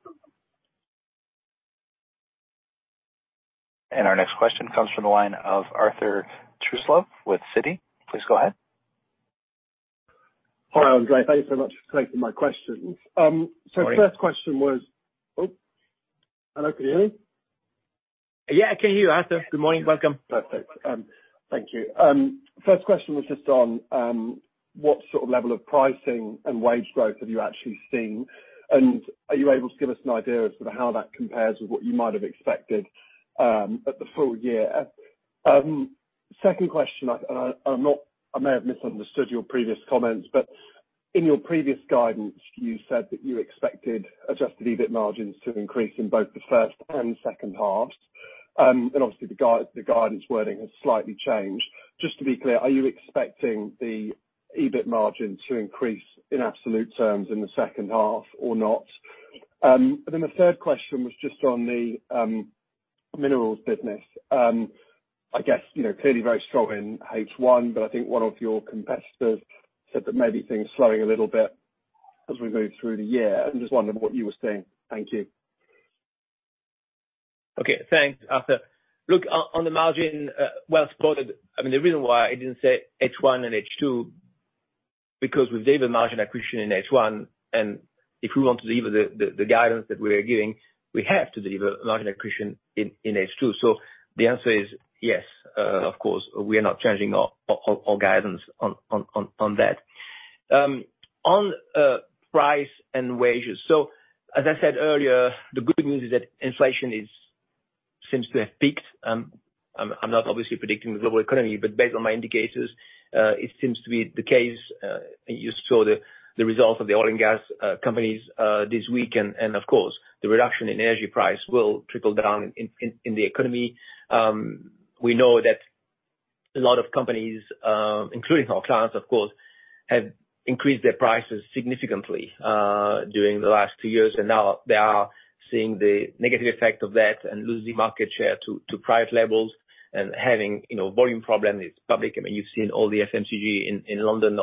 Our next question comes from the line of Arthur Truslove with Citi. Please go ahead. Hi, André, thank you so much for taking my questions. First question was. Sorry. Oh, hello. Can you hear me? Yeah, I can hear you, Arthur. Good morning. Welcome. Perfect. Thank you. First question was just on what sort of level of pricing and wage growth have you actually seen? Are you able to give us an idea of sort of how that compares with what you might have expected at the full year? Second question, I may have misunderstood your previous comments, in your previous guidance, you said that you expected adjusted EBIT margins to increase in both the first and second halves. Obviously, the guidance wording has slightly changed. Just to be clear, are you expecting the EBIT margin to increase in absolute terms in the H2 or not? The third question was just on the minerals business. I guess, you know, clearly very strong in H1, but I think one of your competitors said that maybe things slowing a little bit as we move through the year. I'm just wondering what you were seeing. Thank you. Okay. Thanks, Arthur. Look, on, on the margin, well spotted. I mean, the reason why I didn't say H1 and H2, because we've delivered margin accretion in H1, and if we want to deliver the guidance that we are giving, we have to deliver margin accretion in, in H2. The answer is yes, of course, we are not changing our guidance on that. On price and wages, so as I said earlier, the good news is that inflation is seems to have peaked. I'm not obviously predicting the global economy, but based on my indicators, it seems to be the case. You saw the, the results of the oil and gas companies, this week, and, and of course, the reduction in energy price will trickle down in, in, in the economy. We know that a lot of companies, including our clients, of course, have increased their prices significantly, during the last 2 years, and now they are seeing the negative effect of that and losing market share to, to price levels and having, you know, volume problem is public. I mean, you've seen all the FMCG in London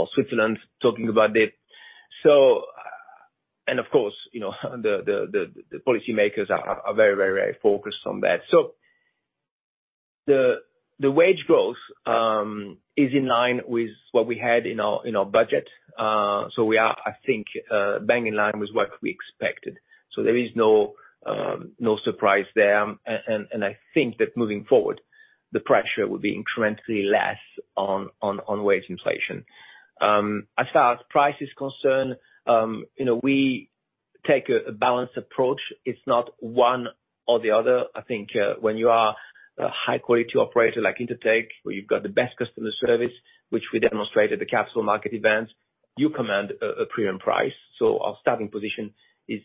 or, or Switzerland talking about it. Of course, you know, the policymakers are, are very, very, very focused on that. The wage growth, is in line with what we had in our budget. We are, I think, bang in line with what we expected. There is no surprise there. I think that moving forward, the pressure will be incrementally less on wage inflation. As far as price is concerned, you know, we take a, a balanced approach. It's not one or the other. I think, when you are a high quality operator like Intertek, where you've got the best customer service, which we demonstrated at the capital market events, you command a premium price. Our starting position is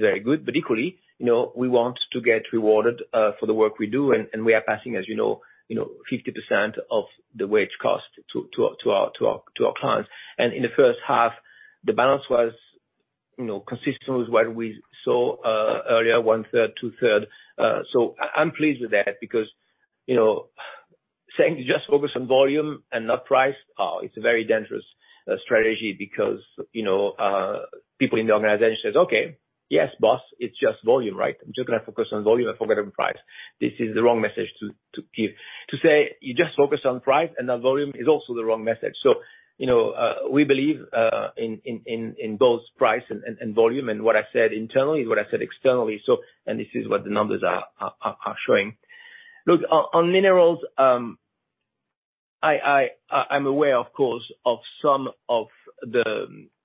very good. Equally, you know, we want to get rewarded for the work we do. We are passing, as you know, you know, 50% of the wage cost to our clients. In the H1, the balance was, you know, consistent with what we saw earlier, 1/3, 2/3. So I'm pleased with that because, you know, saying just focus on volume and not price, it's a very dangerous strategy because, you know, people in the organization says, Okay, yes, boss, it's just volume, right? I'm just gonna focus on volume and forget about price. This is the wrong message to, to give. To say, you just focus on price and not volume is also the wrong message. You know, we believe in both price and volume, and what I said internally is what I said externally. This is what the numbers are showing. Look, on, on minerals, I'm aware, of course, of some of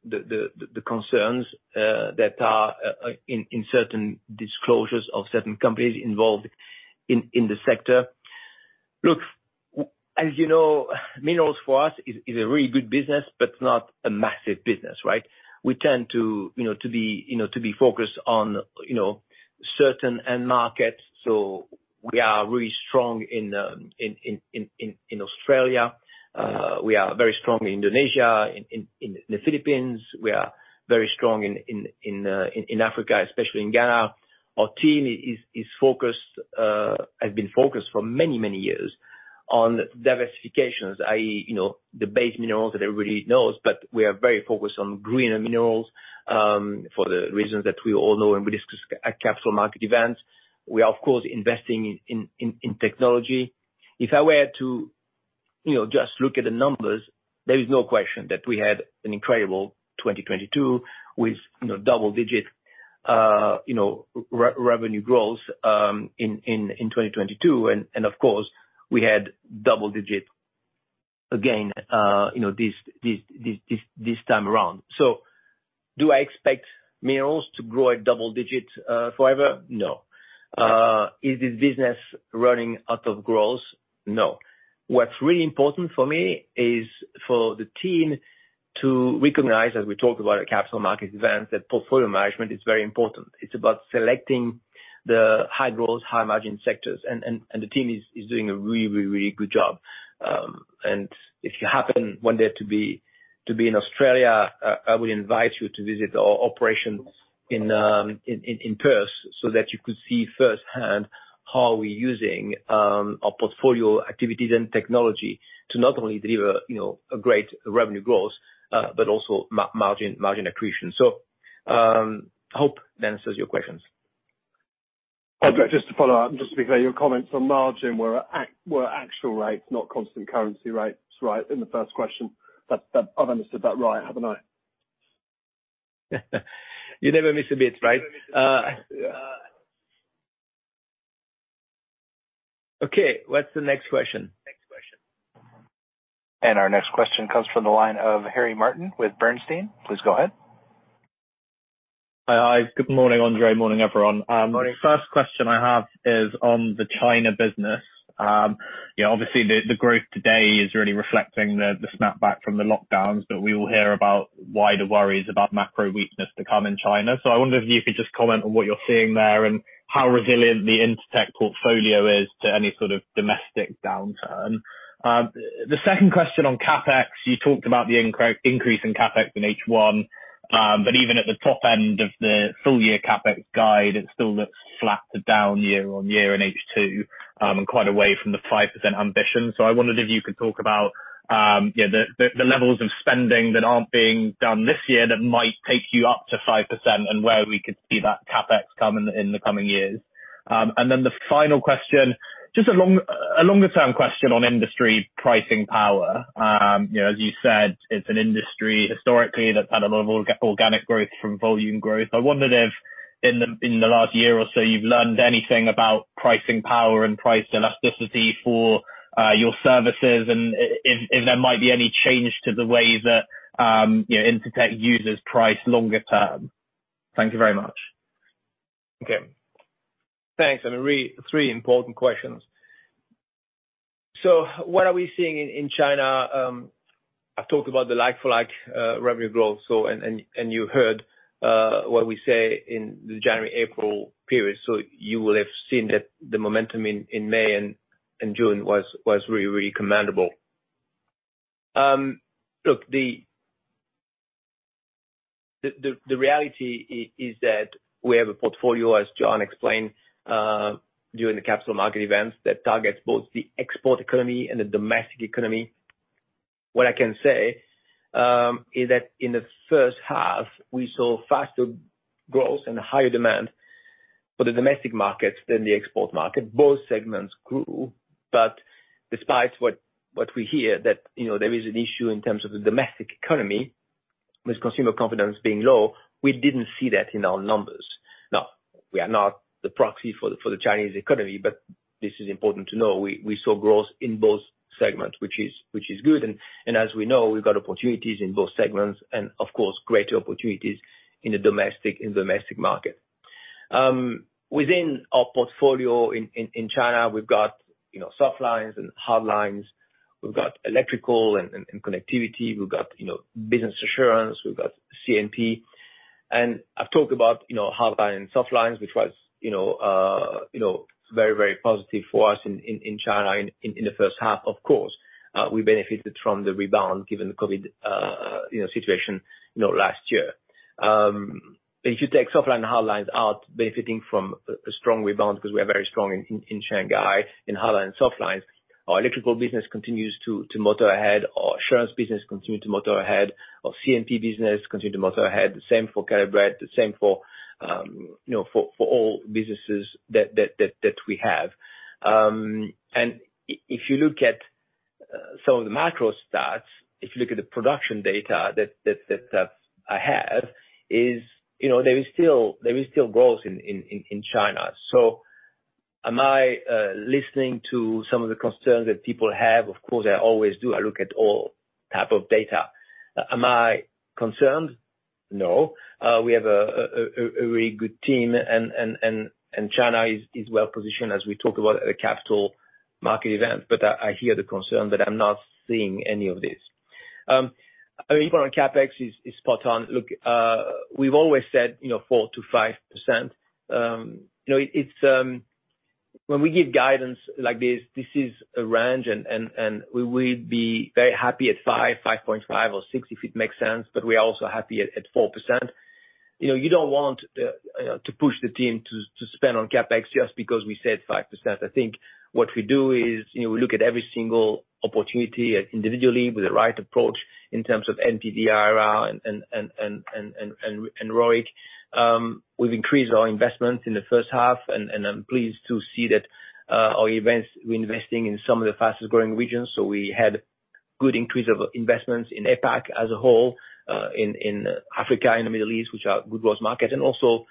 the concerns that are in certain disclosures of certain companies involved in the sector. Look, as you know, minerals for us is, is a really good business, but not a massive business, right? We tend to, you know, to be, you know, to be focused on, you know, certain end markets. We are really strong in Australia. We are very strong in Indonesia, in the Philippines. We are very strong in Africa, especially in Ghana. Our team is, is focused, has been focused for many, many years on diversifications, i.e., you know, the base minerals that everybody knows, but we are very focused on greener minerals, for the reasons that we all know, and we discussed at capital market events. We are, of course, investing in technology.... If I were to, you know, just look at the numbers, there is no question that we had an incredible 2022 with, you know, double-digit revenue growth in 2022, and of course, we had double digit again, you know, this, this time around. Do I expect minerals to grow at double digits forever? No. Is this business running out of growth? No. What's really important for me is for the team to recognize, as we talk about the capital market events, that portfolio management is very important. It's about selecting the high growth, high margin sectors and, and, and the team is doing a really really good job. If you happen one day to be, to be in Australia, I, I would invite you to visit our operations in Perth, so that you could see firsthand how we're using our portfolio activities and technology to not only deliver, you know, a great revenue growth, but also margin, margin accretion. I hope that answers your questions. Just to follow up, just to be clear, your comments on margin were actual rates, not constant currency rates, right? In the first question, I've understood that right, haven't I? You never miss a beat, right? Okay, what's the next question? Our next question comes from the line of Harry Martin with Bernstein. Please go ahead. Hi. Good morning, André. Morning, everyone. Morning. The first question I have is on the China business. Obviously, the growth today is really reflecting the snapback from the lockdowns, but we will hear about wider worries about macro weakness to come in China. I wonder if you could just comment on what you're seeing there, and how resilient the Intertek portfolio is to any sort of domestic downturn. The second question on CapEx, you talked about the increase in CapEx in H1, but even at the top end of the full year CapEx guide, it still looks flat to down year-on-year in H2, and quite away from the 5% ambition. I wondered if you could talk about the levels of spending that aren't being done this year that might take you up to 5%, and where we could see that CapEx come in, in the coming years. Then the final question, just a longer term question on industry pricing power. You know, as you said, it's an industry historically, that's had a lot of organic growth from volume growth. I wonder if in the last year or so, you've learned anything about pricing power and price elasticity for your services, and if there might be any change to the way that, you know, Intertek uses price longer term. Thank you very much. Okay. Thanks. I mean, three important questions. What are we seeing in China? I've talked about the like-for-like revenue growth, and you heard what we say in the January, April period, you will have seen that the momentum in May and June was really, really commendable. Look, the reality is that we have a portfolio, as John explained, during the capital market events, that targets both the export economy and the domestic economy. What I can say is that in the H1, we saw faster growth and higher demand for the domestic markets than the export market. Both segments grew, despite what, what we hear, that, you know, there is an issue in terms of the domestic economy, with consumer confidence being low, we didn't see that in our numbers. Now, we are not the proxy for the, for the Chinese economy, but this is important to know. We, we saw growth in both segments, which is, which is good, as we know, we've got opportunities in both segments and of course, greater opportunities in the domestic, in domestic market. Within our portfolio in, in, in China, we've got, you know, soft lines and hard lines. We've got electrical and connectivity. We've got, you know, Business Assurance, we've got C&P. I've talked about, you know, hard line, soft lines, which was, you know, very, very positive for us in China in, in the H1. Of course, we benefited from the rebound given the COVID, you know, situation, you know, last year. If you take soft line and hard lines out, benefiting from a strong rebound, because we are very strong in, in Shanghai, in hard line, soft lines, our electrical business continues to, to motor ahead, our Assurance business continue to motor ahead, our C&P business continue to motor ahead. The same for Caleb Brett, the same for, you know, for all businesses that, that, that, that we have. If you look at some of the macro stats, if you look at the production data that I have, is you know, there is still, there is still growth in China. Am I listening to some of the concerns that people have? Of course, I always do. I look at all type of data. Am I concerned? No. We have a very good team and China is well positioned as we talk about at the capital market event. I, I hear the concern, but I'm not seeing any of this. I mean, point on CapEx is spot on. Look, we've always said, you know, 4% to 5%. You know, it's, when we give guidance like this, this is a range and we will be very happy at 5, 5.5 or 6, if it makes sense, but we are also happy at 4%. You know, you don't want to push the team to spend on CapEx just because we said 5%. I think what we do is, you know, we look at every single opportunity individually with the right approach in terms of NPV, IRR, and ROIC. We've increased our investment in the H1, and I'm pleased to see that our events, we're investing in some of the fastest growing regions, so good increase of investments in APAC as a whole, in Africa, in the Middle East, which are good growth market, and also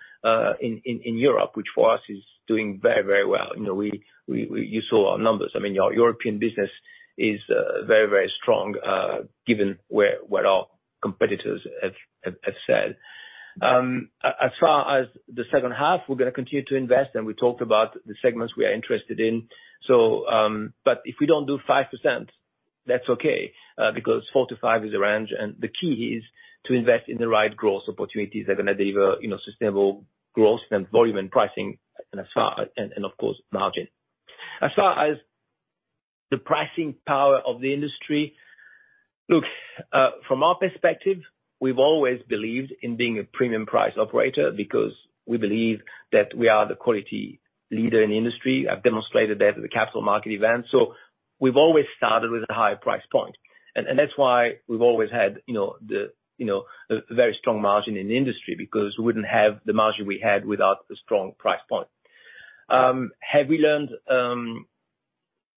in Europe, which for us is doing very, very well. You know, we you saw our numbers. I mean, our European business is very, very strong given where, what our competitors have, have, have said. As far as the H2, we're gonna continue to invest, we talked about the segments we are interested in. If we don't do 5%, that's okay, because 4-5 is the range, and the key is to invest in the right growth opportunities that are gonna deliver, you know, sustainable growth and volume and pricing, and of course, margin. As far as the pricing power of the industry, look, from our perspective, we've always believed in being a premium price operator, because we believe that we are the quality leader in the industry. I've demonstrated that at the capital market event. We've always started with a higher price point, and that's why we've always had, you know, the, you know, a very strong margin in the industry, because we wouldn't have the margin we had without the strong price point. Have we learned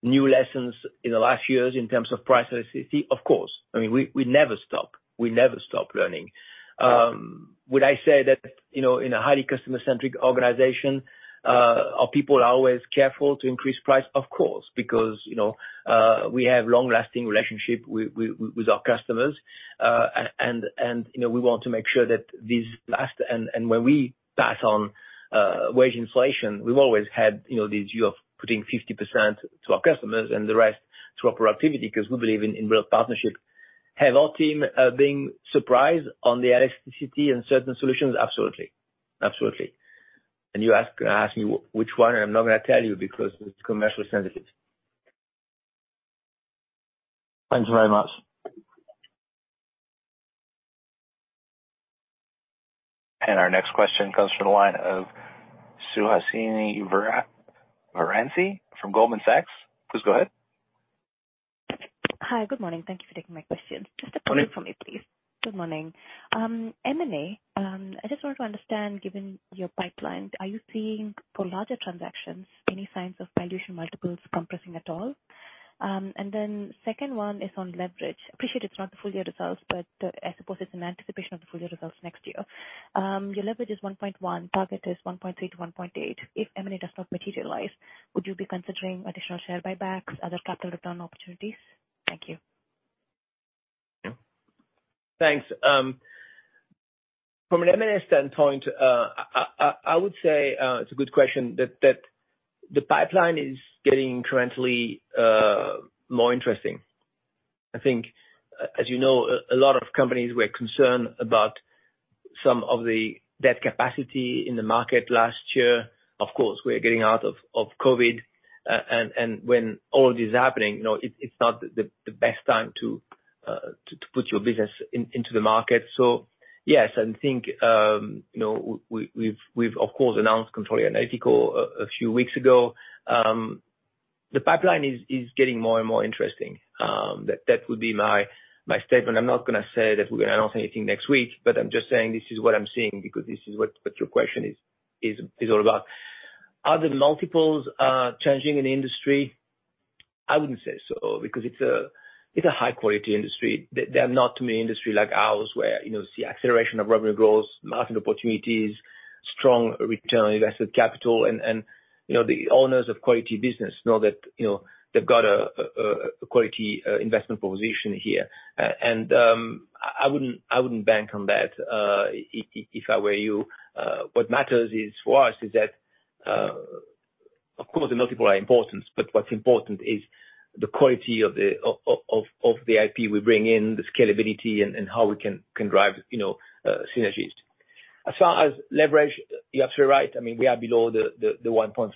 new lessons in the last years in terms of price elasticity? Of course. I mean, we never stop. We never stop learning. Would I say that, you know, in a highly customer-centric organization, our people are always careful to increase price? Of course, because, you know, we have long-lasting relationship with, with, with our customers. And, and, you know, we want to make sure that this last When we pass on wage inflation, we've always had, you know, the view of putting 50% to our customers and the rest to our productivity, because we believe in, in real partnership. Have our team been surprised on the elasticity and certain solutions? Absolutely. Absolutely. You ask me which one, and I'm not gonna tell you because it's commercially sensitive. Thanks very much. Our next question comes from the line of Suhasini Varanasi from Goldman Sachs. Please go ahead. Hi, good morning. Thank you for taking my question. Just a point for me, please. Good morning. M&A, I just wanted to understand, given your pipeline, are you seeing, for larger transactions, any signs of valuation multiples compressing at all? Second one is on leverage. Appreciate it's not the full year results, but I suppose it's in anticipation of the full year results next year. Your leverage is 1.1, target is 1.3-1.8. If M&A does not materialize, would you be considering additional share buybacks, other capital return opportunities? Thank you. Thanks. From an M&A standpoint, I would say, it's a good question, that, that the pipeline is getting currently more interesting. I think, as you know, a lot of companies were concerned about some of the debt capacity in the market last year. Of course, we're getting out of COVID, and when all this is happening, you know, it's not the best time to put your business into the market. Yes, I think, you know, we've of course, announced Controle Analítico a few weeks ago. The pipeline is getting more and more interesting. That, that would be my, my statement. I'm not gonna say that we're gonna announce anything next week, but I'm just saying this is what I'm seeing, because this is what, what your question is all about. Are the multiples changing in the industry? I wouldn't say so, because it's a high quality industry. There, there are not too many industry like ours, where, you know, see acceleration of revenue growth, market opportunities, strong return on invested capital, and you know, the owners of quality business know that, you know, they've got a quality investment proposition here. I wouldn't bank on that if, if I were you. What matters is for us, is that, of course, the multiple are important, but what's important is the quality of the IP we bring in, the scalability, and how we can drive, you know, synergies. As far as leverage, you're absolutely right. I mean, we are below the 1.3,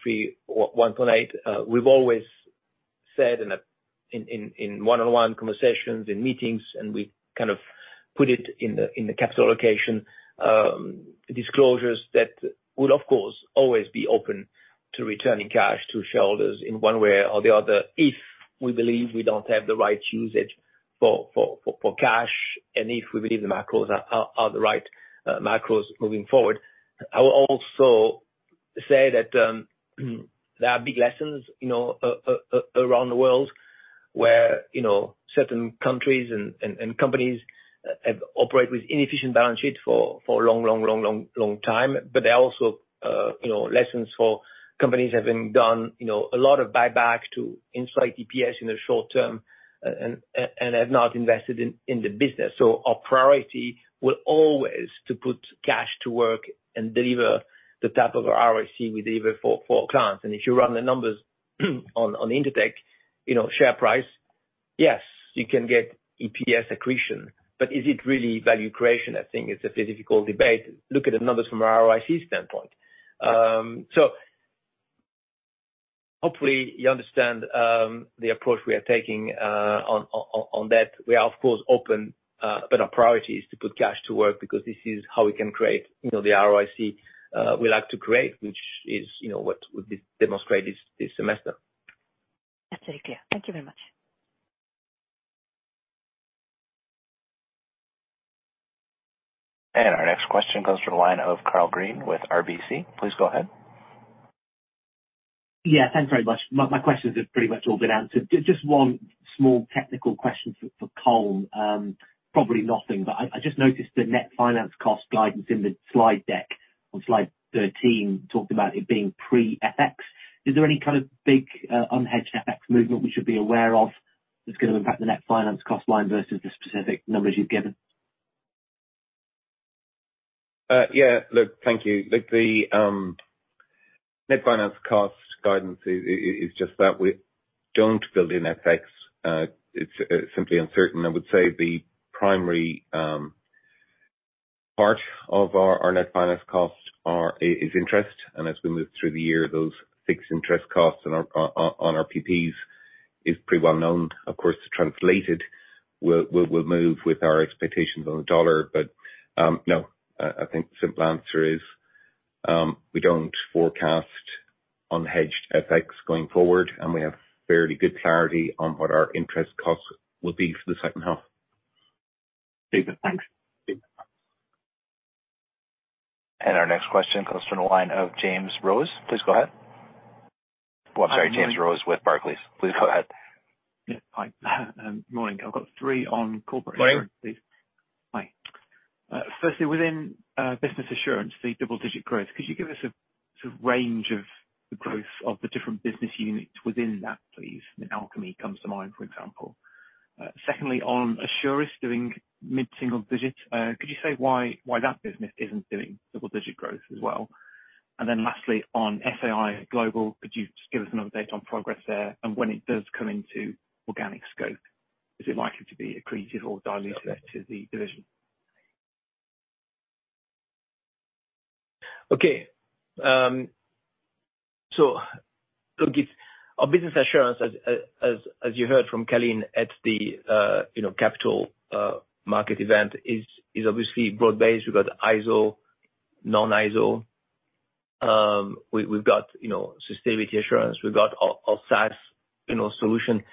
1.8. We've always said in one-on-one conversations, in meetings, and we kind of put it in the capital allocation disclosures, that we'll, of course, always be open to returning cash to shareholders in one way or the other if we believe we don't have the right usage for cash, and if we believe the macros are the right macros moving forward. I will also say that there are big lessons, you know, around the world where, you know, certain countries and companies have operate with inefficient balance sheet for a long long time. There are also, you know, lessons for companies having done, you know, a lot of buybacks to incite EPS in the short term and have not invested in the business. Our priority will always to put cash to work and deliver the type of ROIC we deliver for clients. If you run the numbers on Intertek, you know, share price, yes, you can get EPS accretion, but is it really value creation? I think it's a very difficult debate. Look at the numbers from an ROIC standpoint. Hopefully you understand the approach we are taking on that. We are, of course, open, but our priority is to put cash to work because this is how we can create, you know, the ROIC we like to create, which is, you know, what we demonstrated this, this semester. That's very clear. Thank you very much. Our next question comes from the line of Karl Green with RBC. Please go ahead. Yeah, thanks very much. My, my questions have pretty much all been answered. Just one small technical question for Colm. Probably nothing, but I, I just noticed the net finance cost guidance in the slide deck on slide 13, talked about it being pre-FX. Is there any kind of big unhedged FX movement we should be aware of, that's gonna impact the net finance cost line versus the specific numbers you've given? Yeah. Look, thank you. Look, the net finance cost guidance is just that. We don't build in FX. It's simply uncertain. I would say the primary part of our net finance cost is interest. As we move through the year, those fixed interest costs on our PPs is pretty well known. Of course translated, will move with our expectations on the dollar. No, I think the simple answer is, we don't forecast unhedged FX going forward, and we have fairly good clarity on what our interest costs will be for the H2. Great. Thanks. Our next question comes from the line of James Rose. Please go ahead. Well, I'm sorry, James Rose with Barclays. Please go ahead. Yeah. Hi, morning. I've got three on Corporate Assurance, please. Morning. Hi. Firstly, within Business Assurance, the double-digit growth, could you give us a sort of range of the growth of the different business units within that, please? Alchemy comes to mind, for example. Secondly, on Assurance doing mid-single digits, could you say why, why that business isn't doing double-digit growth as well? Lastly, on SAI Global, could you just give us an update on progress there, and when it does come into organic scope, is it likely to be accretive or dilutive to the division? Okay. Look, it's our Business Assurance as you heard from Colm Deasy at the, you know, capital market event, is obviously broad-based. We've got ISO, non-ISO. We've got, you know, sustainability assurance, we've got our SaaS, you know, solution.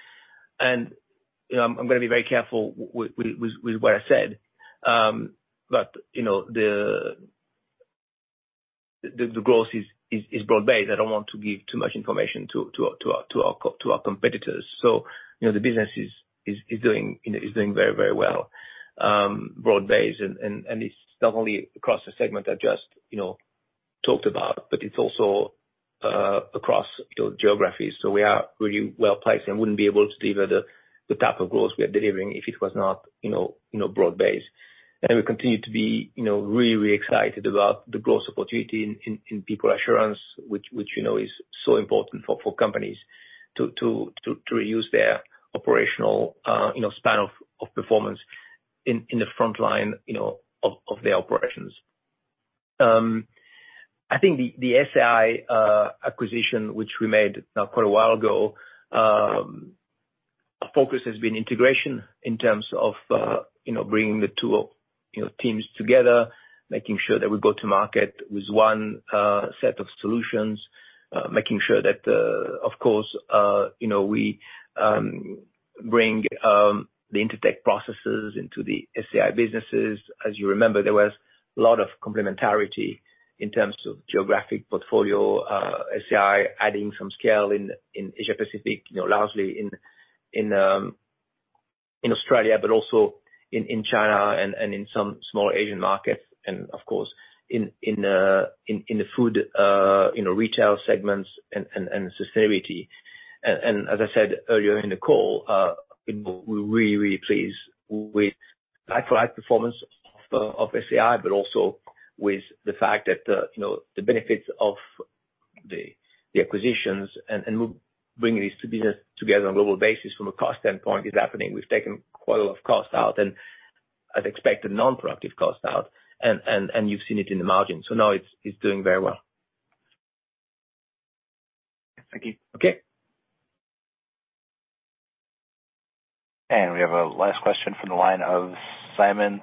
You know, I'm gonna be very careful with what I said. You know, the growth is broad-based. I don't want to give too much information to our competitors. You know, the business is doing, you know, very very well, broad-based, and it's not only across the segment I just, you know, talked about, but it's also across geographies. We are really well placed, wouldn't be able to deliver the, the type of growth we are delivering if it was not, you know, you know, broad-based. We continue to be, you know, really excited about the growth opportunity in People Assurance, which you know, is so important for companies to reuse their operational, you know, span of, of performance in, in the front line, you know, of, of their operations. I think the SAI acquisition, which we made now quite a while ago, our focus has been integration in terms of, you know, bringing the two, you know, teams together. Making sure that we go to market with one set of solutions. Making sure that, of course, you know, we bring the Intertek processes into the SAI businesses. As you remember, there was a lot of complementarity in terms of geographic portfolio, SAI adding some scale in Asia Pacific, you know, largely in Australia, but also in China and in some smaller Asian markets, and of course, in the food, you know, retail segments and sustainability. As I said earlier in the call, we're really, really pleased with like-for-like performance of SAI, but also with the fact that, you know, the benefits of the acquisitions and bringing these two business together on a global basis from a cost standpoint is happening. We've taken quite a lot of costs out, and I'd expect the non-productive costs out, and you've seen it in the margin. Now it's, it's doing very well. Thank you. Okay. We have a last question from the line of Simon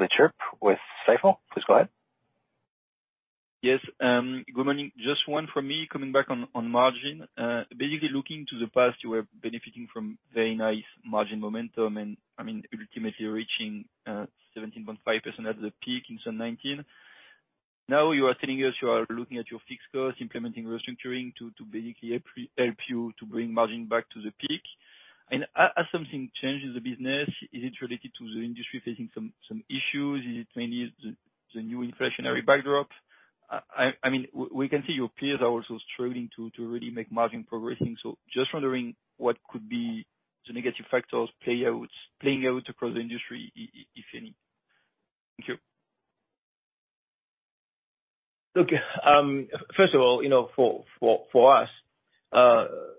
LeChipre with Stifel. Please go ahead. Yes, good morning. Just one from me coming back on, on margin. Basically, looking to the past, you were benefiting from very nice margin momentum, and I mean, ultimately reaching 17.5% at the peak in 2019. Now, you are telling us you are looking at your fixed costs, implementing restructuring to, to basically help you, help you to bring margin back to the peak. Has something changed in the business? Is it related to the industry facing some, some issues? Is it maybe the, the new inflationary backdrop? I mean, we can see your peers are also struggling to, to really make margin progressing. Just wondering what could be the negative factors playing out across the industry if any? Thank you. Look, first of all, you know, for, for, for us,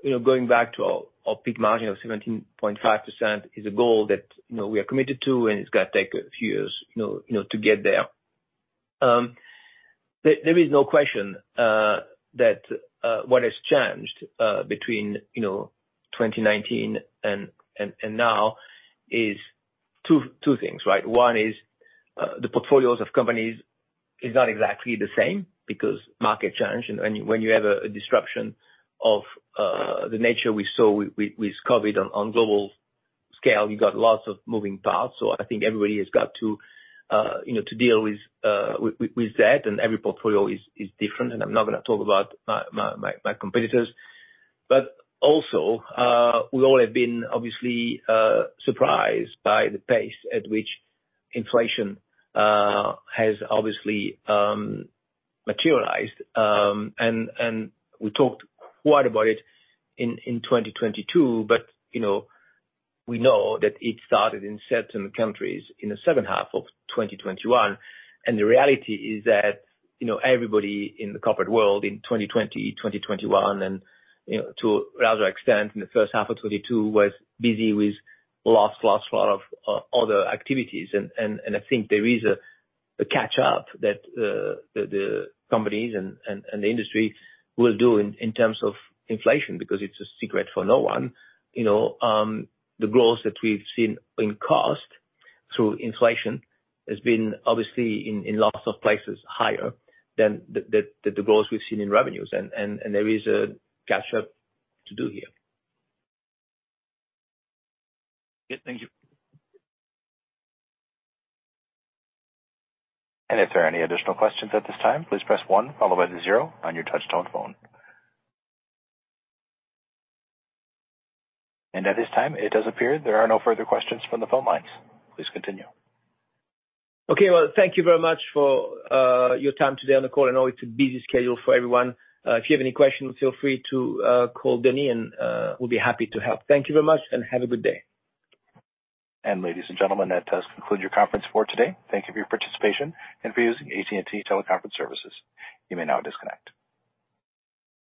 you know, going back to our, our peak margin of 17.5% is a goal that, you know, we are committed to, and it's gonna take a few years, you know, you know, to get there. There, there is no question that what has changed between, you know, 2019 and, and, and now is 2, 2 things, right? One is, the portfolios of companies... is not exactly the same because market changed, and when you have a, a disruption of the nature we saw with COVID on, on global scale, you got lots of moving parts. I think everybody has got to, you know, to deal with that, and every portfolio is, is different, and I'm not gonna talk about my competitors. Also, we all have been obviously surprised by the pace at which inflation has obviously materialized. We talked quite about it in 2022, but, you know, we know that it started in certain countries in the H2 of 2021. The reality is that, you know, everybody in the corporate world in 2020, 2021, and, you know, to a rather extent in the H1 of 22, was busy with lots, lots, lot of other activities. I think there is a catch up that the companies and the industry will do in terms of inflation, because it's a secret for no one. You know, the growth that we've seen in cost through inflation has been obviously in lots of places, higher than the growth we've seen in revenues, and there is a catch up to do here. Yeah. Thank you. If there are any additional questions at this time, please press one, followed by the zero on your touch-tone phone. At this time, it does appear there are no further questions from the phone lines. Please continue. Okay. Well, thank you very much for your time today on the call. I know it's a busy schedule for everyone. If you have any questions, feel free to call Denny, and we'll be happy to help. Thank you very much, and have a good day. Ladies and gentlemen, that does conclude your conference for today. Thank you for your participation and for using AT&T TeleConference Services. You may now disconnect.